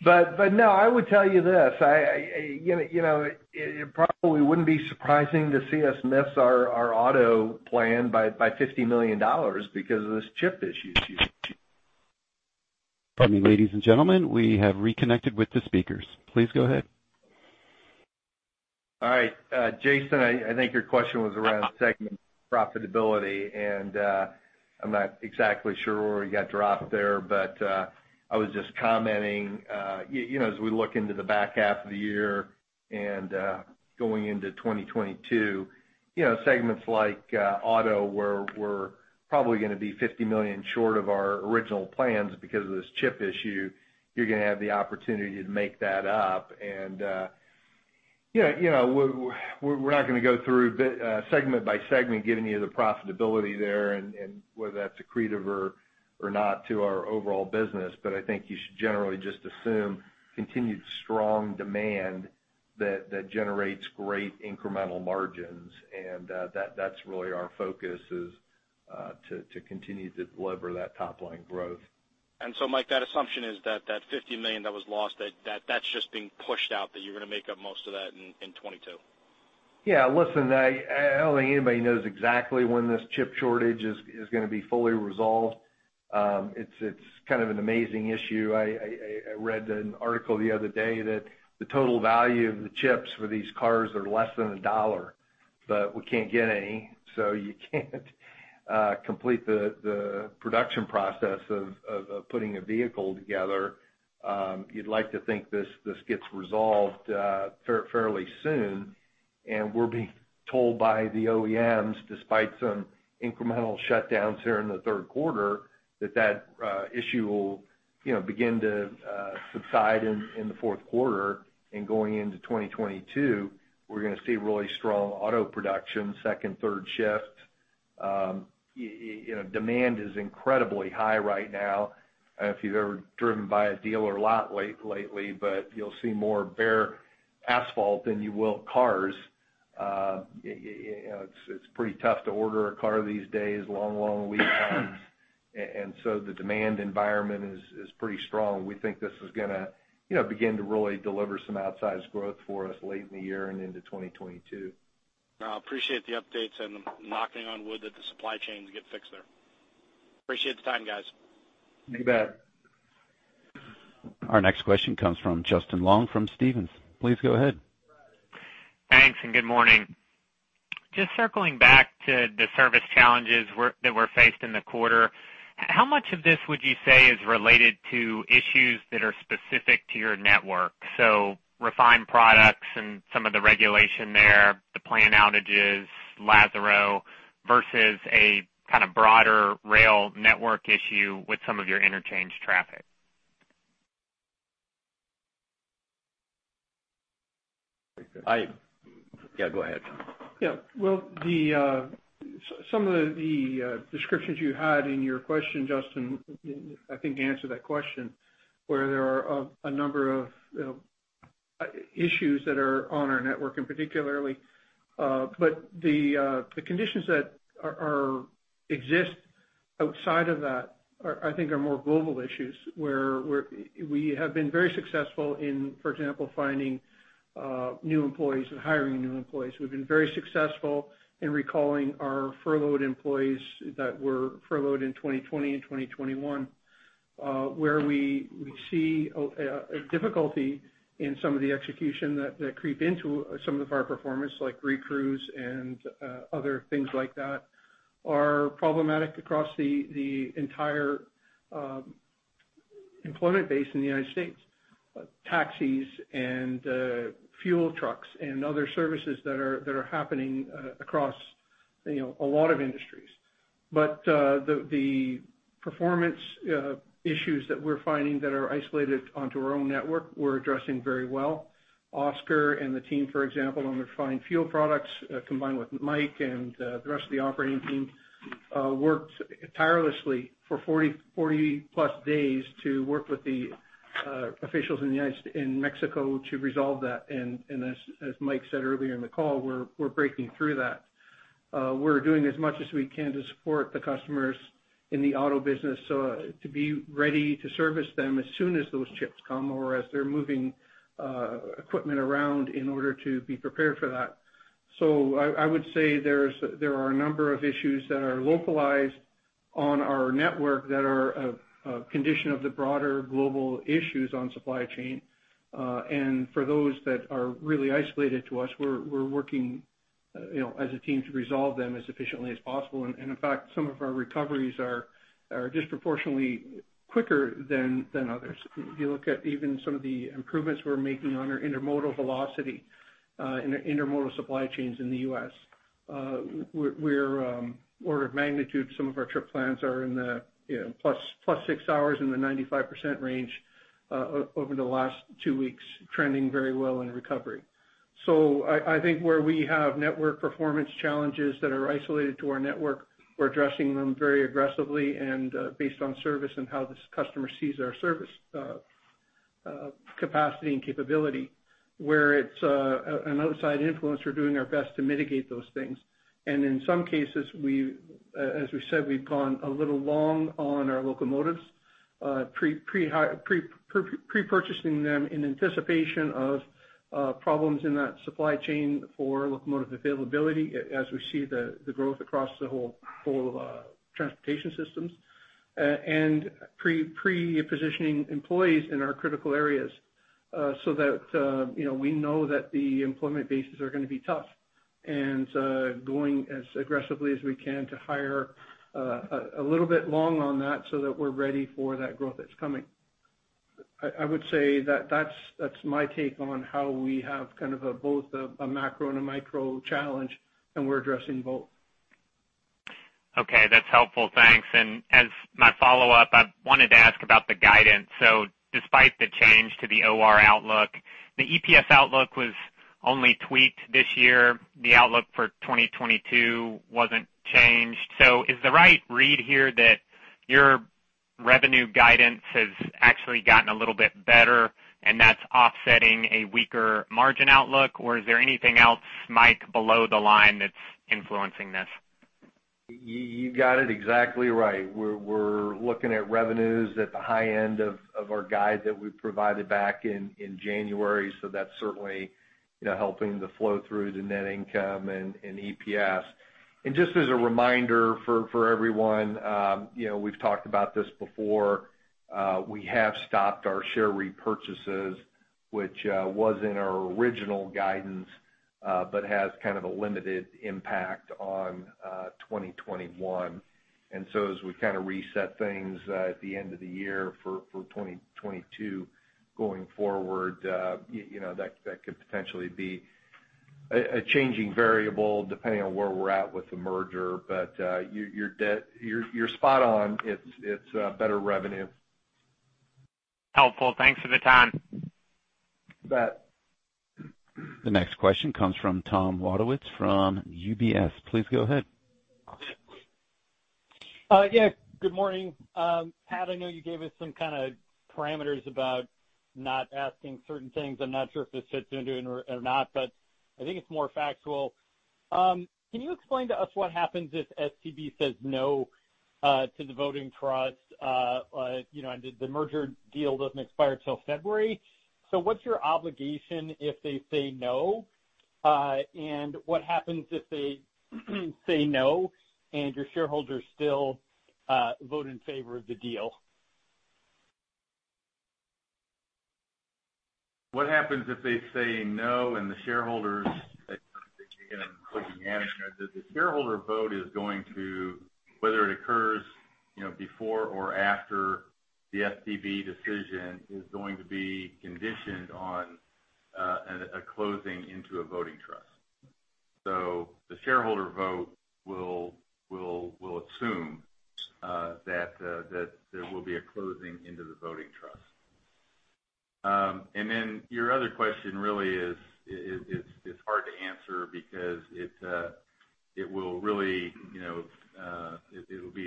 S4: No, I would tell you this. It probably wouldn't be surprising to see us miss our auto plan by $50 million because of this chip issue.
S1: Pardon me, ladies and gentlemen. We have reconnected with the speakers. Please go ahead.
S4: All right. Jason Seidl, I think your question was around segment profitability. I'm not exactly sure where we got dropped there. I was just commenting, as we look into the back half of the year and going into 2022, segments like auto, where we're probably going to be $50 million short of our original plans because of this chip issue, you're going to have the opportunity to make that up. We're not going to go through segment by segment giving you the profitability there and whether that's accretive or not to our overall business. I think you should generally just assume continued strong demand that generates great incremental margins. That's really our focus is to continue to deliver that top-line growth.
S8: Mike, that assumption is that $50 million that was lost, that's just being pushed out, that you're going to make up most of that in 2022?
S4: Yeah. Listen, I don't think anybody knows exactly when this chip shortage is going to be fully resolved. It's kind of an amazing issue. I read an article the other day that the total value of the chips for these cars are less than $1. We can't get any, so you can't complete the production process of putting a vehicle together. You'd like to think this gets resolved fairly soon. We're being told by the OEMs, despite some incremental shutdowns here in the third quarter, that that issue will begin to subside in the fourth quarter. Going into 2022, we're going to see really strong auto production, second, third shift. Demand is incredibly high right now. I don't know if you've ever driven by a dealer lot lately, but you'll see more bare asphalt than you will cars. It's pretty tough to order a car these days, long lead times. The demand environment is pretty strong. We think this is going to begin to really deliver some outsized growth for us late in the year and into 2022.
S8: No, I appreciate the updates and the knocking on wood that the supply chains get fixed there. Appreciate the time, guys.
S4: You bet.
S1: Our next question comes from Justin Long from Stephens. Please go ahead.
S9: Thanks. Good morning. Just circling back to the service challenges that were faced in the quarter, how much of this would you say is related to issues that are specific to your network? Refined products and some of the regulation there, the planned outages, Lázaro, versus a kind of broader rail network issue with some of your interchange traffic.
S4: Yeah, go ahead.
S6: Yeah. Well, some of the descriptions you had in your question, Justin, I think answer that question, where there are a number of issues that are on our network, and particularly. The conditions that exist outside of that, I think, are more global issues, where we have been very successful in, for example, finding new employees and hiring new employees. We've been very successful in recalling our furloughed employees that were furloughed in 2020 and 2021. Where we see a difficulty in some of the execution that creep into some of our performance, like recrews and other things like that, are problematic across the entire employment base in the U.S. Taxis and fuel trucks and other services that are happening across a lot of industries. The performance issues that we're finding that are isolated onto our own network, we're addressing very well. Oscar and the team, for example, on refined fuel products, combined with Mike and the rest of the operating team, worked tirelessly for 40-plus days to work with the officials in Mexico to resolve that. As Mike said earlier in the call, we're breaking through that. We're doing as much as we can to support the customers in the auto business, so to be ready to service them as soon as those chips come or as they're moving equipment around in order to be prepared for that. I would say there are a number of issues that are localized on our network that are a condition of the broader global issues on supply chain. For those that are really isolated to us, we're working as a team to resolve them as efficiently as possible. In fact, some of our recoveries are disproportionately quicker than others. If you look at even some of the improvements we're making on our intermodal velocity in our intermodal supply chains in the U.S. Order of magnitude, some of our trip plans are in the plus six hours in the 95% range over the last two weeks, trending very well in recovery. I think where we have network performance challenges that are isolated to our network, we're addressing them very aggressively and based on service and how the customer sees our service capacity and capability. Where it's an outside influence, we're doing our best to mitigate those things. In some cases, as we said, we've gone a little long on our locomotives, pre-purchasing them in anticipation of problems in that supply chain for locomotive availability as we see the growth across the whole transportation systems, and pre-positioning employees in our critical areas so that we know that the employment bases are going to be tough, and going as aggressively as we can to hire a little bit long on that so that we're ready for that growth that's coming. I would say that's my take on how we have kind of both a macro and a micro challenge, and we're addressing both.
S9: Okay. That's helpful. Thanks. As my follow-up, I wanted to ask about the guidance. Despite the change to the OR outlook, the EPS outlook was only tweaked this year. The outlook for 2022 wasn't changed. Is the right read here that your revenue guidance has actually gotten a little bit better and that's offsetting a weaker margin outlook? Is there anything else, Mike, below the line that's influencing this?
S4: You got it exactly right. We're looking at revenues at the high end of our guide that we provided back in January, so that's certainly helping the flow through to net income and EPS. Just as a reminder for everyone, we've talked about this before. We have stopped our share repurchases, which was in our original guidance, but has kind of a limited impact on 2021. As we kind of reset things at the end of the year for 2022 going forward, that could potentially be a changing variable depending on where we're at with the merger. You're spot on. It's better revenue
S9: Helpful. Thanks for the time.
S3: You bet.
S1: The next question comes from Tom Wadewitz, from UBS. Please go ahead.
S10: Good morning. Pat, I know you gave us some kind of parameters about not asking certain things. I'm not sure if this fits into it or not, but I think it's more factual. Can you explain to us what happens if STB says no to the voting trust? The merger deal doesn't expire till February. What's your obligation if they say no? What happens if they say no and your shareholders still vote in favor of the deal?
S3: What happens if they say no and I think you're getting into clicking management. The shareholder vote, whether it occurs before or after the STB decision, is going to be conditioned on a closing into a voting trust. The shareholder vote will assume that there will be a closing into the voting trust. Your other question really is hard to answer because it will be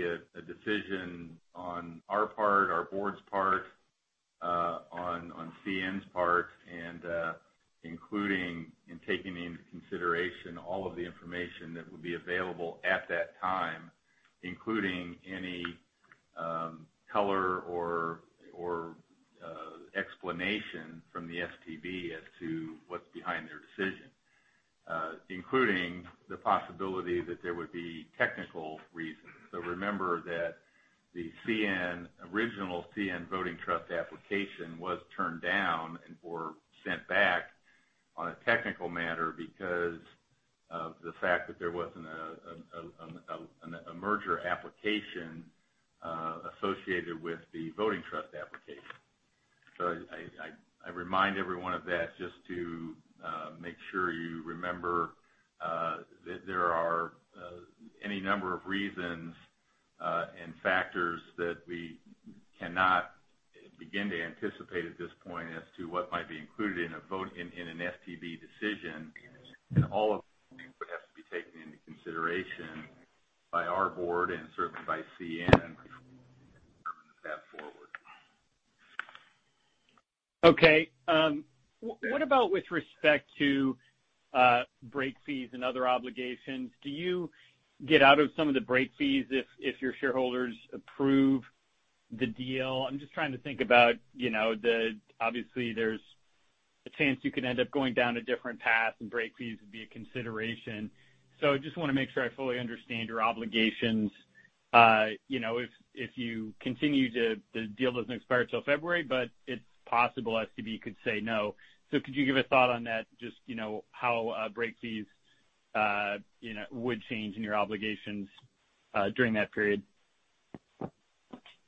S3: a decision on our part, our board's part, on CN's part, and including and taking into consideration all of the information that would be available at that time, including any color or explanation from the STB as to what's behind their decision, including the possibility that there would be technical reasons. Remember that the original CN voting trust application was turned down and/or sent back on a technical matter because of the fact that there wasn't a merger application associated with the voting trust application. I remind everyone of that just to make sure you remember that there are any number of reasons and factors that we cannot begin to anticipate at this point as to what might be included in an STB decision. All of those things would have to be taken into consideration by our board and certainly by CN to determine the path forward.
S10: Okay. What about with respect to break fees and other obligations, do you get out of some of the break fees if your shareholders approve the deal? I'm just trying to think about, obviously there's a chance you could end up going down a different path and break fees would be a consideration. I just want to make sure I fully understand your obligations. The deal doesn't expire till February, but it's possible STB could say no. Could you give a thought on that, just how break fees would change in your obligations during that period?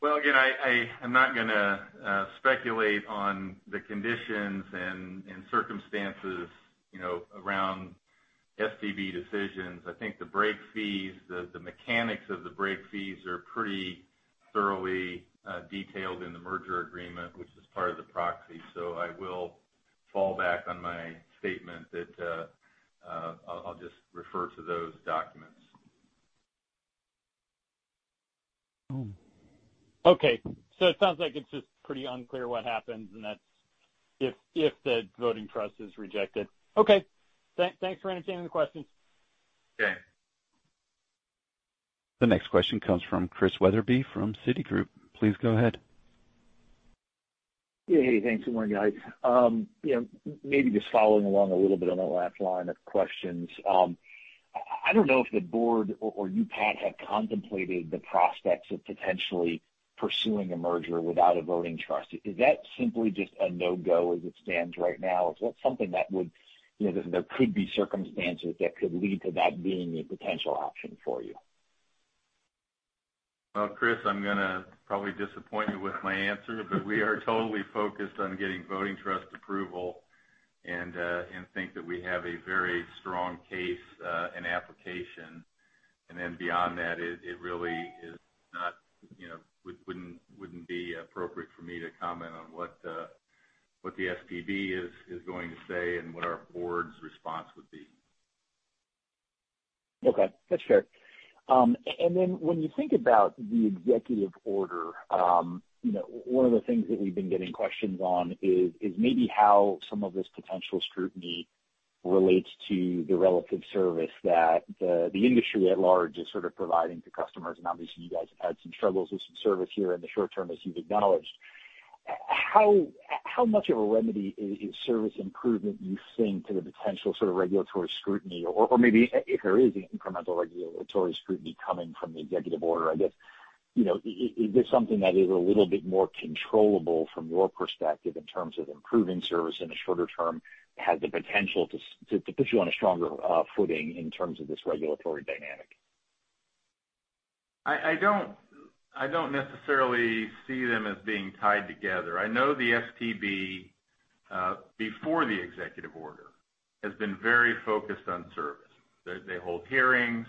S3: Well, again, I'm not going to speculate on the conditions and circumstances around STB decisions. I think the break fees, the mechanics of the break fees are pretty thoroughly detailed in the merger agreement, which is part of the proxy. I will fall back on my statement that I'll just refer to those documents.
S10: Okay. It sounds like it's just pretty unclear what happens and that's if the voting trust is rejected. Okay. Thanks for entertaining the question.
S3: Okay.
S1: The next question comes from Chris Wetherbee from Citigroup. Please go ahead.
S11: Yeah. Hey, thanks, good morning, guys. Maybe just following along a little bit on the last line of questions. I don't know if the board or you, Pat, have contemplated the prospects of potentially pursuing a merger without a voting trust. Is that simply just a no-go as it stands right now? Is that something that there could be circumstances that could lead to that being a potential option for you?
S3: Well, Chris, I'm going to probably disappoint you with my answer, but we are totally focused on getting voting trust approval and think that we have a very strong case and application. Beyond that, it really wouldn't be appropriate for me to comment on what the STB is going to say and what our board's response would be.
S11: Okay. That's fair. When you think about the executive order, one of the things that we've been getting questions on is maybe how some of this potential scrutiny relates to the relative service that the industry at large is sort of providing to customers. Obviously you guys have had some struggles with some service here in the short term, as you've acknowledged. How much of a remedy is service improvement, you think, to the potential sort of regulatory scrutiny? Maybe if there is incremental regulatory scrutiny coming from the executive order, I guess, is this something that is a little bit more controllable from your perspective in terms of improving service in the shorter term, has the potential to put you on a stronger footing in terms of this regulatory dynamic?
S3: I don't necessarily see them as being tied together. I know the STB, before the executive order, has been very focused on service. They hold hearings.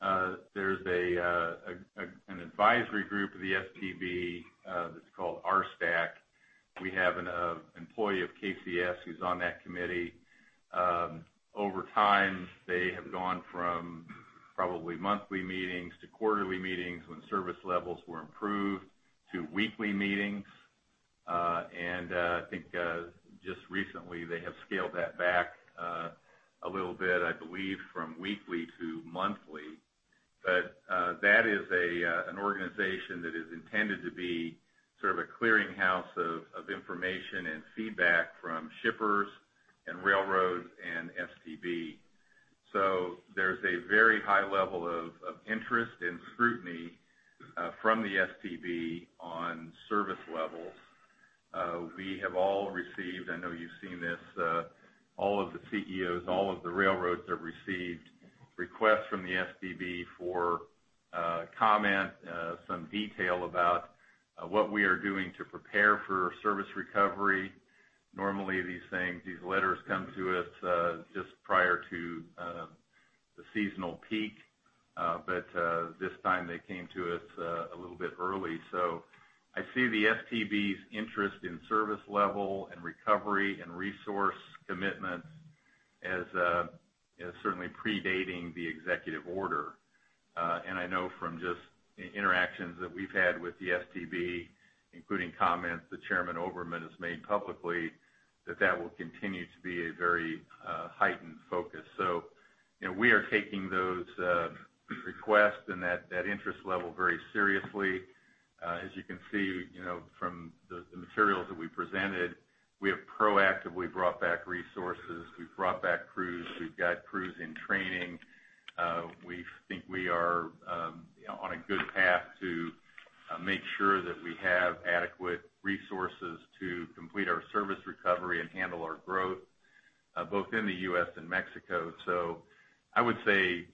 S3: There's an advisory group of the STB that's called RSTAC. We have an employee of KCS who's on that committee. Over time, they have gone from probably monthly meetings to quarterly meetings when service levels were improved, to weekly meetings. I think just recently, they have scaled that back a little bit, I believe, from weekly to monthly. That is an organization that is intended to be sort of a clearinghouse of information and feedback from shippers and railroads and STB. There's a very high level of interest and scrutiny from the STB on service levels. We have all received, I know you've seen this, all of the CEOs, all of the railroads have received requests from the STB for comment, some detail about what we are doing to prepare for service recovery. Normally, these things, these letters come to us just prior to the seasonal peak. This time, they came to us a little bit early. I see the STB's interest in service level and recovery and resource commitments as certainly predating the executive order. I know from just interactions that we've had with the STB, including comments that Chairman Oberman has made publicly, that will continue to be a very heightened focus. We are taking those requests and that interest level very seriously. As you can see from the materials that we presented, we have proactively brought back resources. We've brought back crews. We've got crews in training. We think we are on a good path to make sure that we have adequate resources to complete our service recovery and handle our growth, both in the U.S. and Mexico. I would say,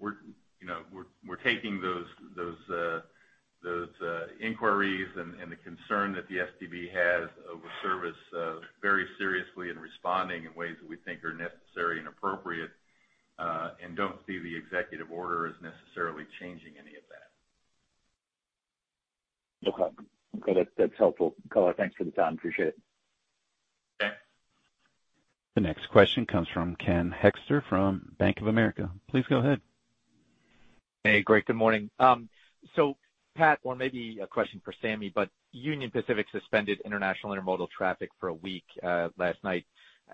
S3: we're taking those inquiries and the concern that the STB has over service very seriously and responding in ways that we think are necessary and appropriate, and don't see the executive order as necessarily changing any of that.
S11: Okay. That's helpful color. Thanks for the time. Appreciate it.
S3: Okay.
S1: The next question comes from Ken Hoexter from Bank of America. Please go ahead.
S12: Great. Good morning. Pat, or maybe a question for Sameh, Union Pacific suspended international intermodal traffic for one week last night.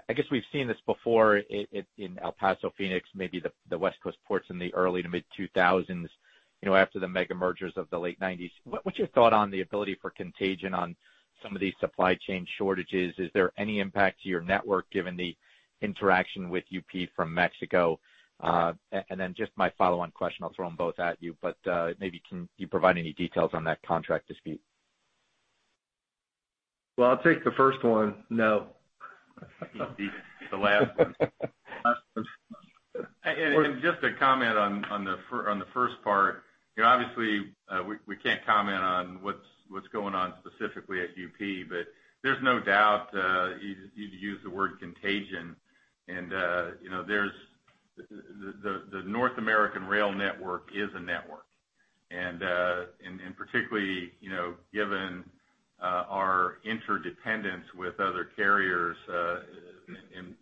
S12: I guess we've seen this before in El Paso, Phoenix, maybe the West Coast ports in the early to mid-2000s, after the mega mergers of the late 1990s. What's your thought on the ability for contagion on some of these supply chain shortages? Is there any impact to your network given the interaction with UP from Mexico? Just my follow-on question, I'll throw them both at you, maybe can you provide any details on that contract dispute?
S3: Well, I'll take the first one. No. The last one. Just to comment on the first part, obviously we can't comment on what's going on specifically at UP, but there's no doubt, you've used the word contagion, and the North American rail network is a network. Particularly, given our interdependence with other carriers, and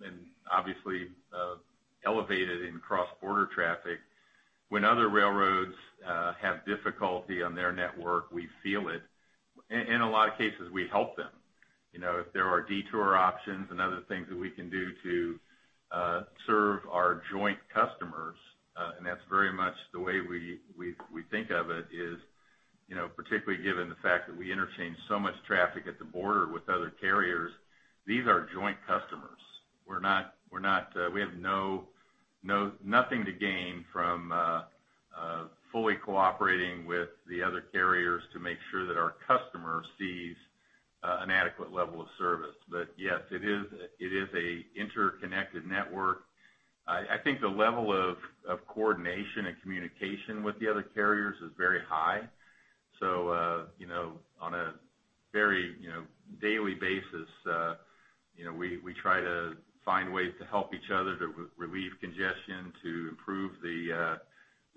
S3: obviously elevated in cross-border traffic, when other railroads have difficulty on their network, we feel it. In a lot of cases, we help them. If there are detour options and other things that we can do to serve our joint customers, and that's very much the way we think of it is, particularly given the fact that we interchange so much traffic at the border with other carriers, these are joint customers. We have nothing to gain from fully cooperating with the other carriers to make sure that our customer sees an adequate level of service. Yes, it is an interconnected network. I think the level of coordination and communication with the other carriers is very high. On a very daily basis, we try to find ways to help each other to relieve congestion, to improve the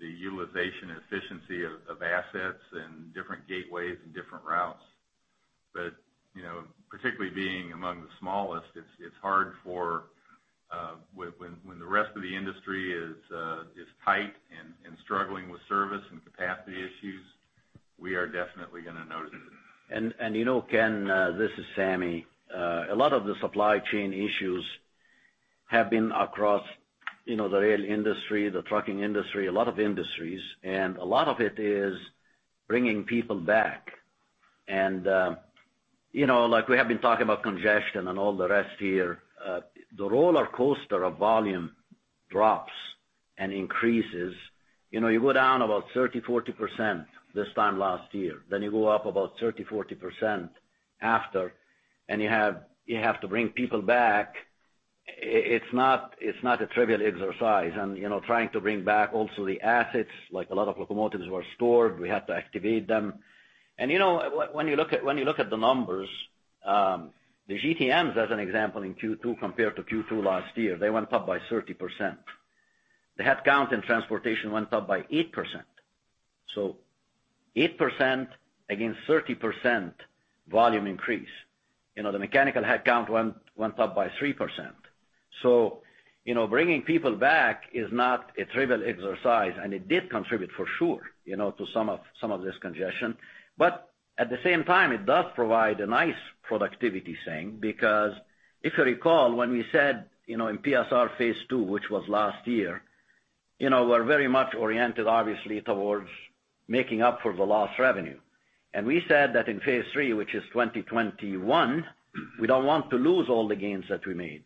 S3: utilization and efficiency of assets and different gateways and different routes. Particularly being among the smallest, it's hard for when the rest of the industry is tight and struggling with service and capacity issues, we are definitely going to notice it.
S13: Ken, this is Sameh. A lot of the supply chain issues have been across the rail industry, the trucking industry, a lot of industries, and a lot of it is bringing people back. Like we have been talking about congestion and all the rest here, the rollercoaster of volume drops and increases. You go down about 30%, 40% this time last year, then you go up about 30%, 40% after, and you have to bring people back. It's not a trivial exercise, and trying to bring back also the assets, like a lot of locomotives were stored, we have to activate them. When you look at the numbers. The GTMs as an example in Q2 compared to Q2 last year, they went up by 30%. The headcount in transportation went up by 8%, so 8% against 30% volume increase. The mechanical headcount went up by 3%. Bringing people back is not a trivial exercise, and it did contribute for sure to some of this congestion. At the same time, it does provide a nice productivity thing because if you recall, when we said in PSR Phase II, which was last year, we're very much oriented obviously towards making up for the lost revenue. We said that in Phase III, which is 2021, we don't want to lose all the gains that we made.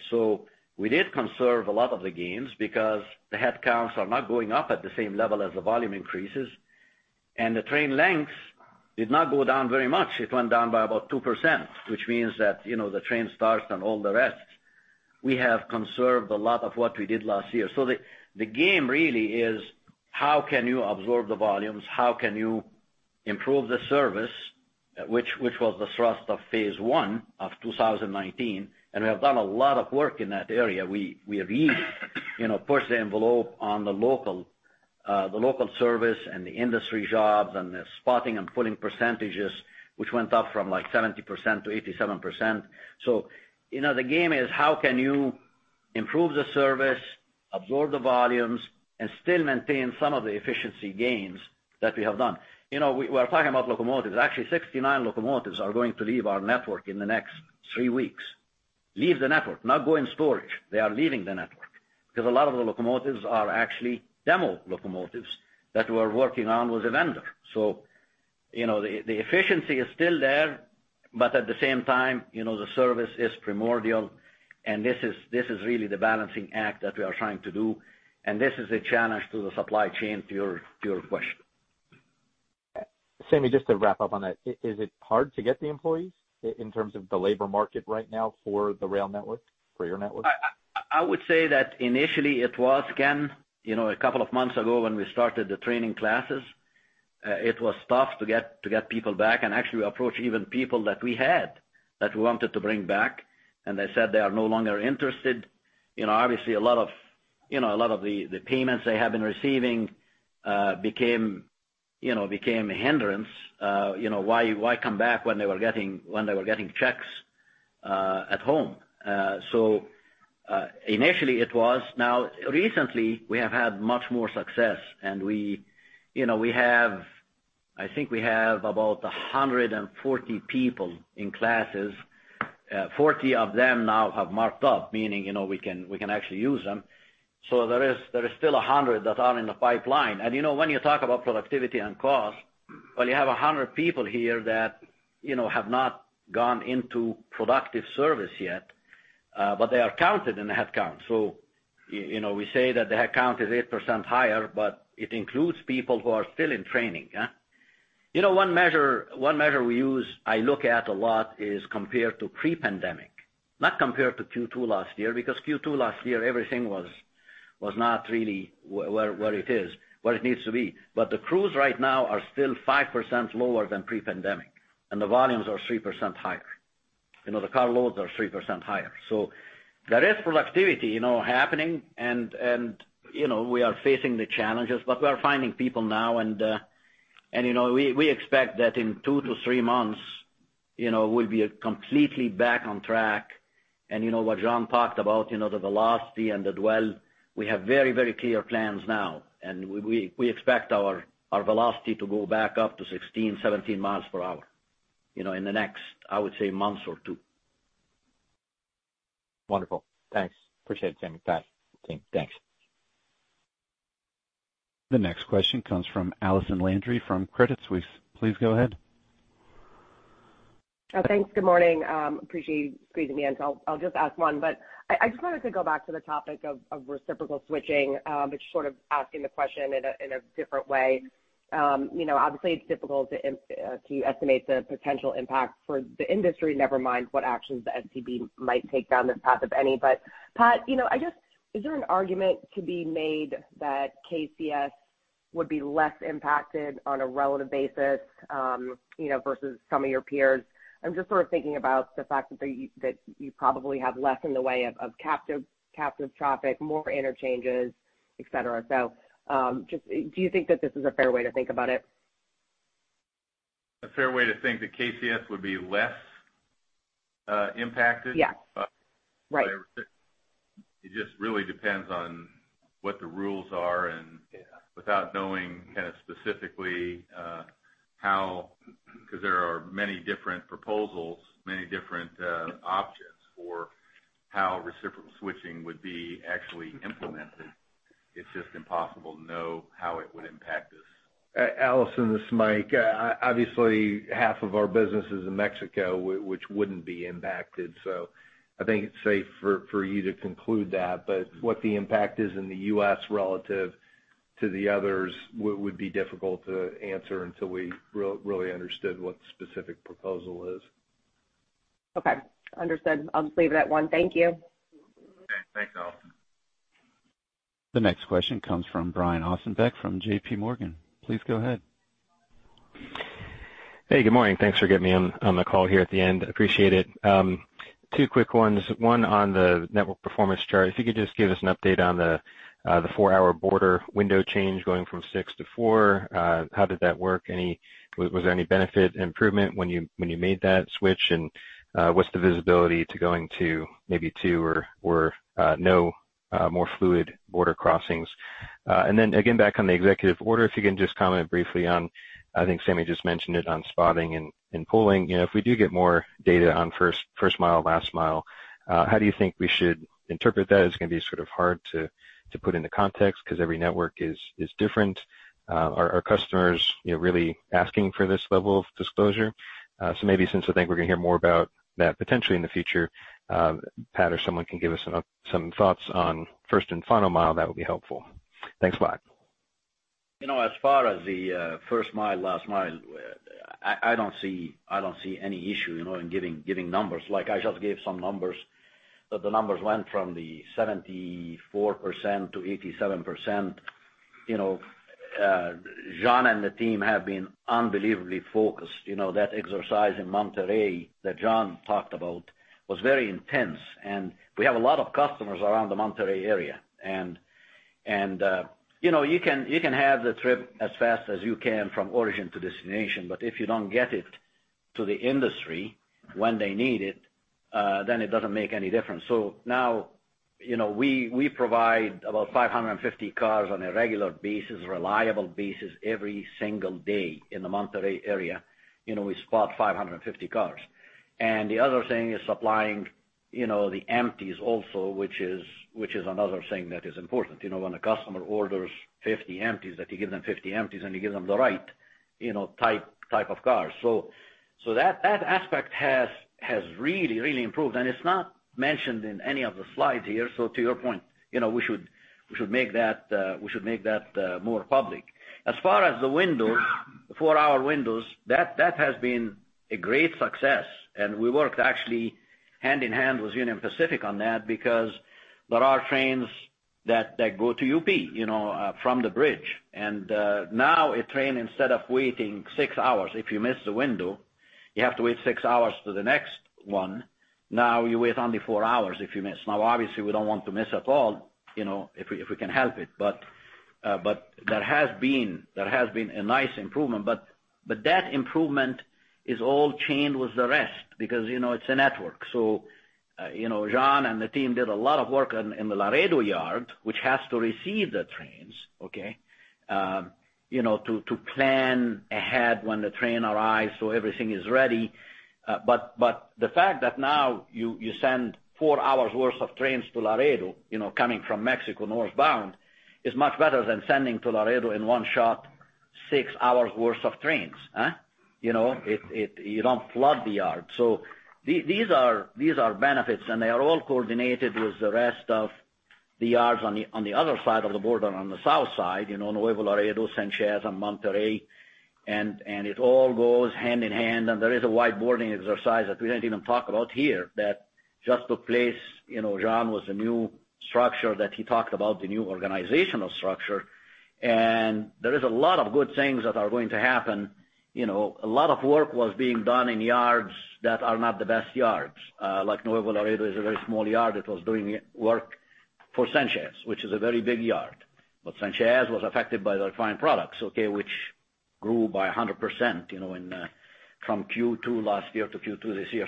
S13: We did conserve a lot of the gains because the headcounts are not going up at the same level as the volume increases, and the train lengths did not go down very much. It went down by about 2%, which means that the train starts and all the rest, we have conserved a lot of what we did last year. The game really is how can you absorb the volumes, how can you improve the service, which was the thrust of Phase I of 2019. We have done a lot of work in that area. We really pushed the envelope on the local service and the industry jobs and the spotting and pulling percentages, which went up from 70% to 87%. The game is how can you improve the service, absorb the volumes, and still maintain some of the efficiency gains that we have done. We are talking about locomotives. Actually, 69 locomotives are going to leave our network in the next three weeks. Leave the network, not go in storage. They are leaving the network because a lot of the locomotives are actually demo locomotives that we're working on with a vendor. The efficiency is still there, but at the same time, the service is primordial and this is really the balancing act that we are trying to do, and this is a challenge to the supply chain, to your question.
S12: Sameh, just to wrap up on that, is it hard to get the employees in terms of the labor market right now for the rail network, for your network?
S13: I would say that initially it was, Ken. A couple of months ago when we started the training classes, it was tough to get people back and actually approach even people that we had that we wanted to bring back. They said they are no longer interested. Obviously, a lot of the payments they have been receiving became a hindrance. Why come back when they were getting checks at home? Initially it was. Recently, we have had much more success and I think we have about 140 people in classes. 40 of them now have marked up, meaning we can actually use them. There is still 100 that are in the pipeline. When you talk about productivity and cost, when you have 100 people here that have not gone into productive service yet, but they are counted in the headcount. We say that the headcount is 8% higher, but it includes people who are still in training. One measure we use, I look at a lot, is compared to pre-pandemic, not compared to Q2 last year, because Q2 last year, everything was not really where it needs to be. The crews right now are still 5% lower than pre-pandemic, and the volumes are 3% higher. The car loads are 3% higher. There is productivity happening and we are facing the challenges, but we are finding people now and we expect that in two to three months, we'll be completely back on track. What John talked about, the velocity and the dwell, we have very clear plans now, and we expect our velocity to go back up to 16 mi, 17 mi per hour in the next, I would say, month or two.
S12: Wonderful. Thanks. Appreciate it, Sameh. Bye.
S13: Okay, thanks.
S1: The next question comes from Allison Landry from Credit Suisse. Please go ahead.
S14: Thanks. Good morning. Appreciate you squeezing me in. I'll just ask one, but I just wanted to go back to the topic of reciprocal switching, but sort of asking the question in a different way. Obviously, it's difficult to estimate the potential impact for the industry, never mind what actions the STB might take down this path, if any. Pat, is there an argument to be made that KCS would be less impacted on a relative basis versus some of your peers? I'm just sort of thinking about the fact that you probably have less in the way of captive traffic, more interchanges, et cetera. Do you think that this is a fair way to think about it?
S3: A fair way to think that KCS would be less impacted?
S14: Yeah. Right.
S3: It just really depends on what the rules are and without knowing kind of specifically how, because there are many different proposals, many different options for how reciprocal switching would be actually implemented. It is just impossible to know how it would impact us.
S4: Allison, this is Mike. Obviously, half of our business is in Mexico, which wouldn't be impacted. I think it's safe for you to conclude that. What the impact is in the U.S. relative to the others would be difficult to answer until we really understood what the specific proposal is.
S14: Okay, understood. I'll just leave it at one. Thank you.
S3: Okay. Thanks, Allison.
S1: The next question comes from Brian Ossenbeck from JPMorgan. Please go ahead.
S15: Hey, good morning. Thanks for getting me on the call here at the end. Appreciate it. Two quick ones. One on the network performance chart. If you could just give us an update on the four-hour border window change going from six to four. How did that work? Was there any benefit, improvement when you made that switch? What's the visibility to going to maybe two or no, more fluid border crossings? Then again, back on the executive order, if you can just comment briefly on, I think Sameh just mentioned it on spotting and pulling. If we do get more data on first mile, last mile, how do you think we should interpret that? Is it going to be sort of hard to put into context because every network is different? Are customers really asking for this level of disclosure? Maybe since I think we're going to hear more about that potentially in the future, Pat or someone can give us some thoughts on first and final mile, that would be helpful. Thanks a lot.
S13: As far as the first mile, last mile, I don't see any issue in giving numbers. I just gave some numbers. The numbers went from the 74% to 87%. John and the team have been unbelievably focused. That exercise in Monterrey that John talked about was very intense. We have a lot of customers around the Monterrey area. You can have the trip as fast as you can from origin to destination, but if you don't get it to the industry when they need it, then it doesn't make any difference. Now, we provide about 550 cars on a regular basis, reliable basis every single day in the Monterrey area. We spot 550 cars. The other thing is supplying the empties also, which is another thing that is important. When a customer orders 50 empties, that you give them 50 empties, and you give them the right type of cars. That aspect has really, really improved. It's not mentioned in any of the slides here, so to your point, we should make that more public. As far as the four-hour windows, that has been a great success, we worked actually hand in hand with Union Pacific on that because there are trains that go to UP from the bridge. Now a train, instead of waiting six hours, if you miss the window, you have to wait six hours to the next one. Now you wait only four hours if you miss. Now, obviously, we don't want to miss at all if we can help it. There has been a nice improvement. That improvement is all chained with the rest because it's a network. John and the team did a lot of work in the Laredo yard, which has to receive the trains, okay? To plan ahead when the train arrives so everything is ready. The fact that now you send four hours worth of trains to Laredo coming from Mexico northbound, is much better than sending to Laredo in one shot six hours worth of trains. You don't flood the yard. These are benefits, and they are all coordinated with the rest of the yards on the other side of the border, on the south side, Nuevo Laredo, Sanchez, and Monterrey. It all goes hand in hand. There is a whiteboarding exercise that we didn't even talk about here, that just took place, John with the new structure that he talked about, the new organizational structure. There is a lot of good things that are going to happen. A lot of work was being done in yards that are not the best yards. Like Nuevo Laredo is a very small yard that was doing work for Sanchez, which is a very big yard. Sanchez was affected by the refined products, okay, which grew by 100% from Q2 last year to Q2 this year.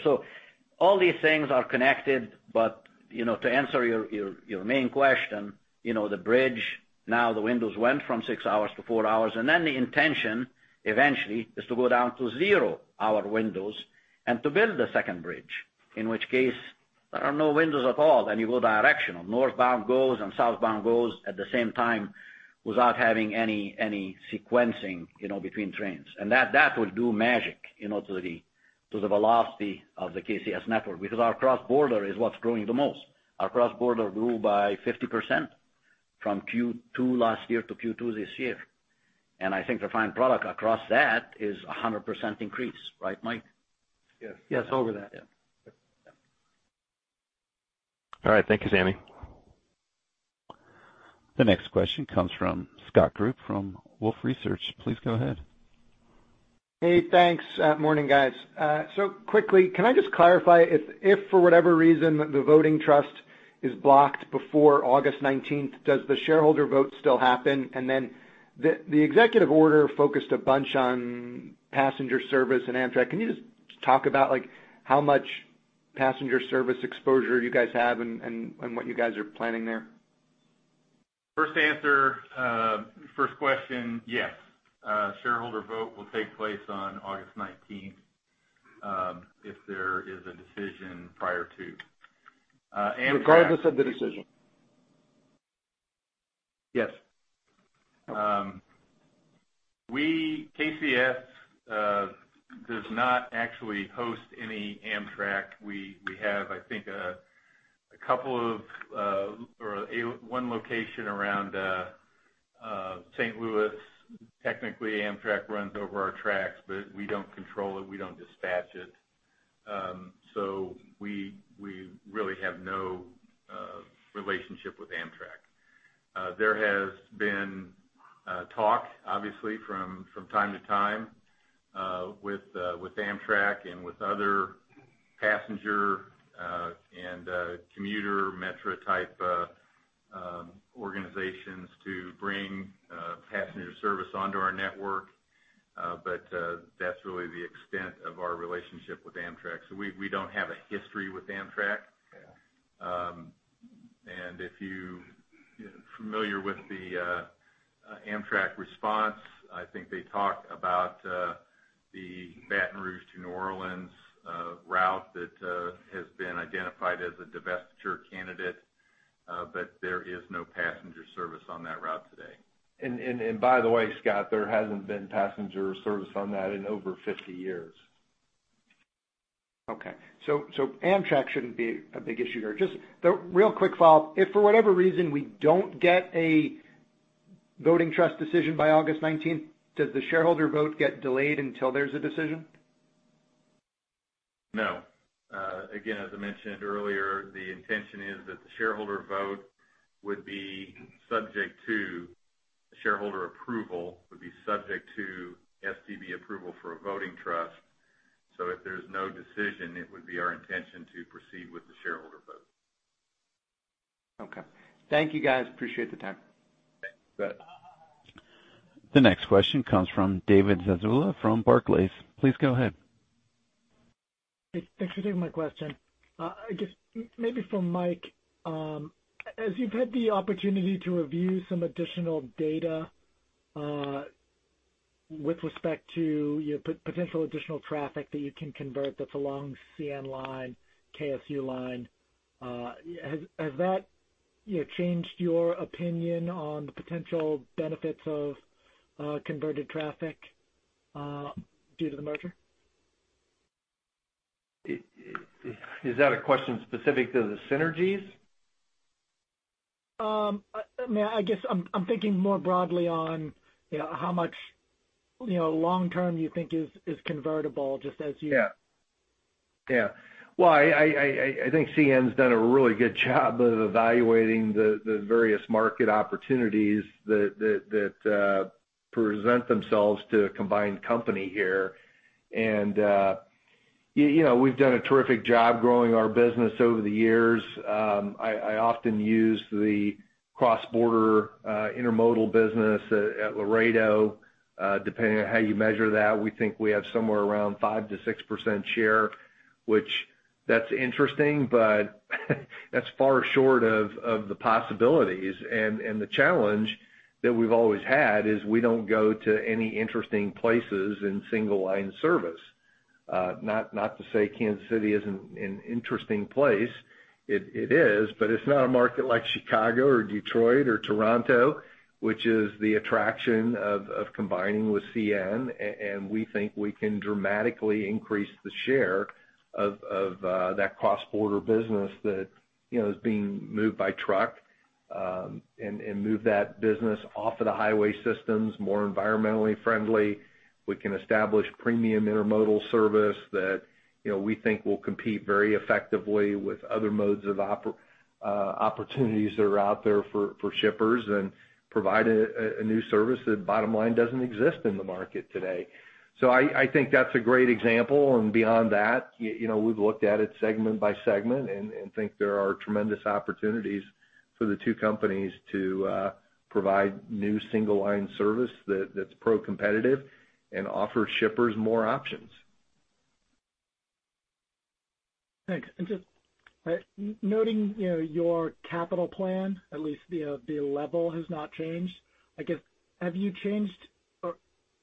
S13: All these things are connected. To answer your main question, the bridge, now the windows went from six hours to four hours, and then the intention eventually is to go down to zero-hour windows and to build a second bridge, in which case there are no windows at all, and you go directional. Northbound goes and southbound goes at the same time without having any sequencing between trains. That will do magic to the velocity of the KCS network, because our cross-border is what's growing the most. Our cross-border grew by 50% from Q2 last year to Q2 this year. I think refined product across that is 100% increase. Right, Mike?
S4: Yes. Over that.
S13: Yeah.
S15: All right. Thank you, Sameh.
S1: The next question comes from Scott Group from Wolfe Research. Please go ahead.
S16: Hey, thanks. Morning, guys. Quickly, can I just clarify if for whatever reason, the voting trust is blocked before August 19th, does the shareholder vote still happen? The executive order focused a bunch on passenger service and Amtrak. Can you just talk about how much passenger service exposure you guys have and what you guys are planning there?
S3: First question, yes. Shareholder vote will take place on August 19th if there is a decision.
S4: Regardless of the decision.
S3: Yes. KCS does not actually host any Amtrak. We have, I think, one location around St. Louis, technically Amtrak runs over our tracks, but we don't control it, we don't dispatch it. We really have no relationship with Amtrak. There has been talk, obviously from time to time, with Amtrak and with other passenger and commuter metro type organizations to bring passenger service onto our network. That's really the extent of our relationship with Amtrak. We don't have a history with Amtrak. If you're familiar with the Amtrak response, I think they talk about the Baton Rouge to New Orleans route that has been identified as a divestiture candidate. There is no passenger service on that route today.
S4: By the way, Scott, there hasn't been passenger service on that in over 50 years.
S16: Okay. Amtrak shouldn't be a big issue there. Just the real quick follow-up. If for whatever reason, we don't get a voting trust decision by August 19th, does the shareholder vote get delayed until there's a decision?
S3: No. Again, as I mentioned earlier, the intention is that the shareholder vote would be subject to shareholder approval, would be subject to STB approval for a voting trust. If there's no decision, it would be our intention to proceed with the shareholder vote.
S16: Thank you guys, appreciate the time.
S3: You bet.
S1: The next question comes from David Zazula from Barclays. Please go ahead.
S17: Hey, thanks for taking my question. I guess maybe for Mike, as you've had the opportunity to review some additional data, with respect to your potential additional traffic that you can convert that's along CN line, KSU line, has that changed your opinion on the potential benefits of converted traffic due to the merger?
S4: Is that a question specific to the synergies?
S17: I guess I'm thinking more broadly on how much long term you think is convertible?
S4: Well, I think CN's done a really good job of evaluating the various market opportunities that present themselves to a combined company here. We've done a terrific job growing our business over the years. I often use the cross-border intermodal business at Laredo. Depending on how you measure that, we think we have somewhere around 5%-6% share, which that's interesting, but that's far short of the possibilities. The challenge that we've always had is we don't go to any interesting places in single line service. Not to say Kansas City isn't an interesting place. It is, but it's not a market like Chicago or Detroit or Toronto, which is the attraction of combining with CN. We think we can dramatically increase the share of that cross-border business that is being moved by truck, and move that business off of the highway systems, more environmentally friendly. We can establish premium intermodal service that we think will compete very effectively with other modes of opportunities that are out there for shippers and provide a new service that bottom line doesn't exist in the market today. I think that's a great example and beyond that, we've looked at it segment by segment and think there are tremendous opportunities for the two companies to provide new single line service that's pro-competitive and offer shippers more options.
S17: Thanks. Just noting your capital plan, at least the level has not changed. I guess, have you changed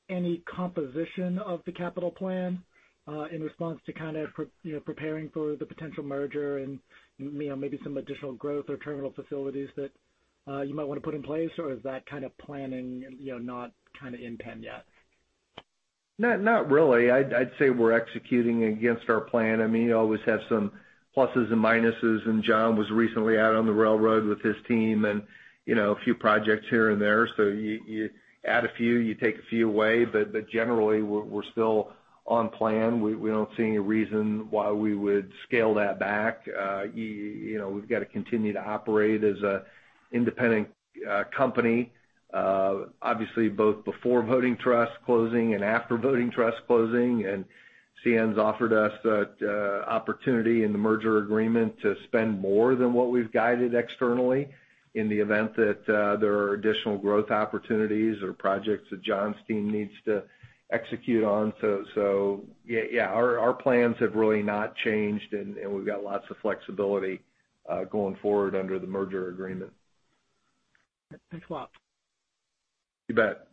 S17: any composition of the capital plan in response to kind of preparing for the potential merger and maybe some additional growth or terminal facilities that you might want to put in place? Or is that kind of planning not in pen yet?
S4: Not really. I'd say we're executing against our plan. You always have some pluses and minuses, and John was recently out on the railroad with his team and a few projects here and there. You add a few, you take a few away, but generally we're still on plan. We don't see any reason why we would scale that back. We've got to continue to operate as an independent company, obviously both before voting trust closing and after voting trust closing. CN's offered us that opportunity in the merger agreement to spend more than what we've guided externally in the event that there are additional growth opportunities or projects that John's team needs to execute on. Yeah, our plans have really not changed, and we've got lots of flexibility going forward under the merger agreement.
S17: Thanks a lot.
S4: You bet.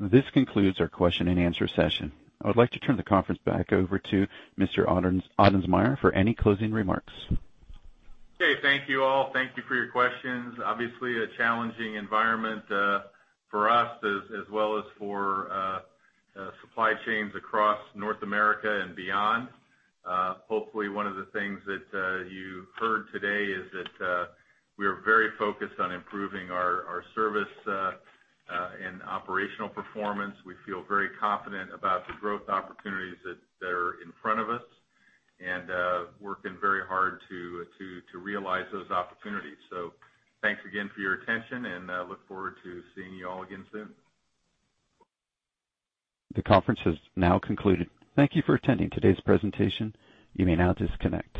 S1: This concludes our question and answer session. I would like to turn the conference back over to Mr. Ottensmeyer for any closing remarks.
S3: Okay. Thank you all. Thank you for your questions. Obviously a challenging environment for us as well as for supply chains across North America and beyond. Hopefully one of the things that you heard today is that we are very focused on improving our service and operational performance. We feel very confident about the growth opportunities that are in front of us and working very hard to realize those opportunities. Thanks again for your attention and look forward to seeing you all again soon.
S1: The conference has now concluded. Thank you for attending today's presentation. You may now disconnect.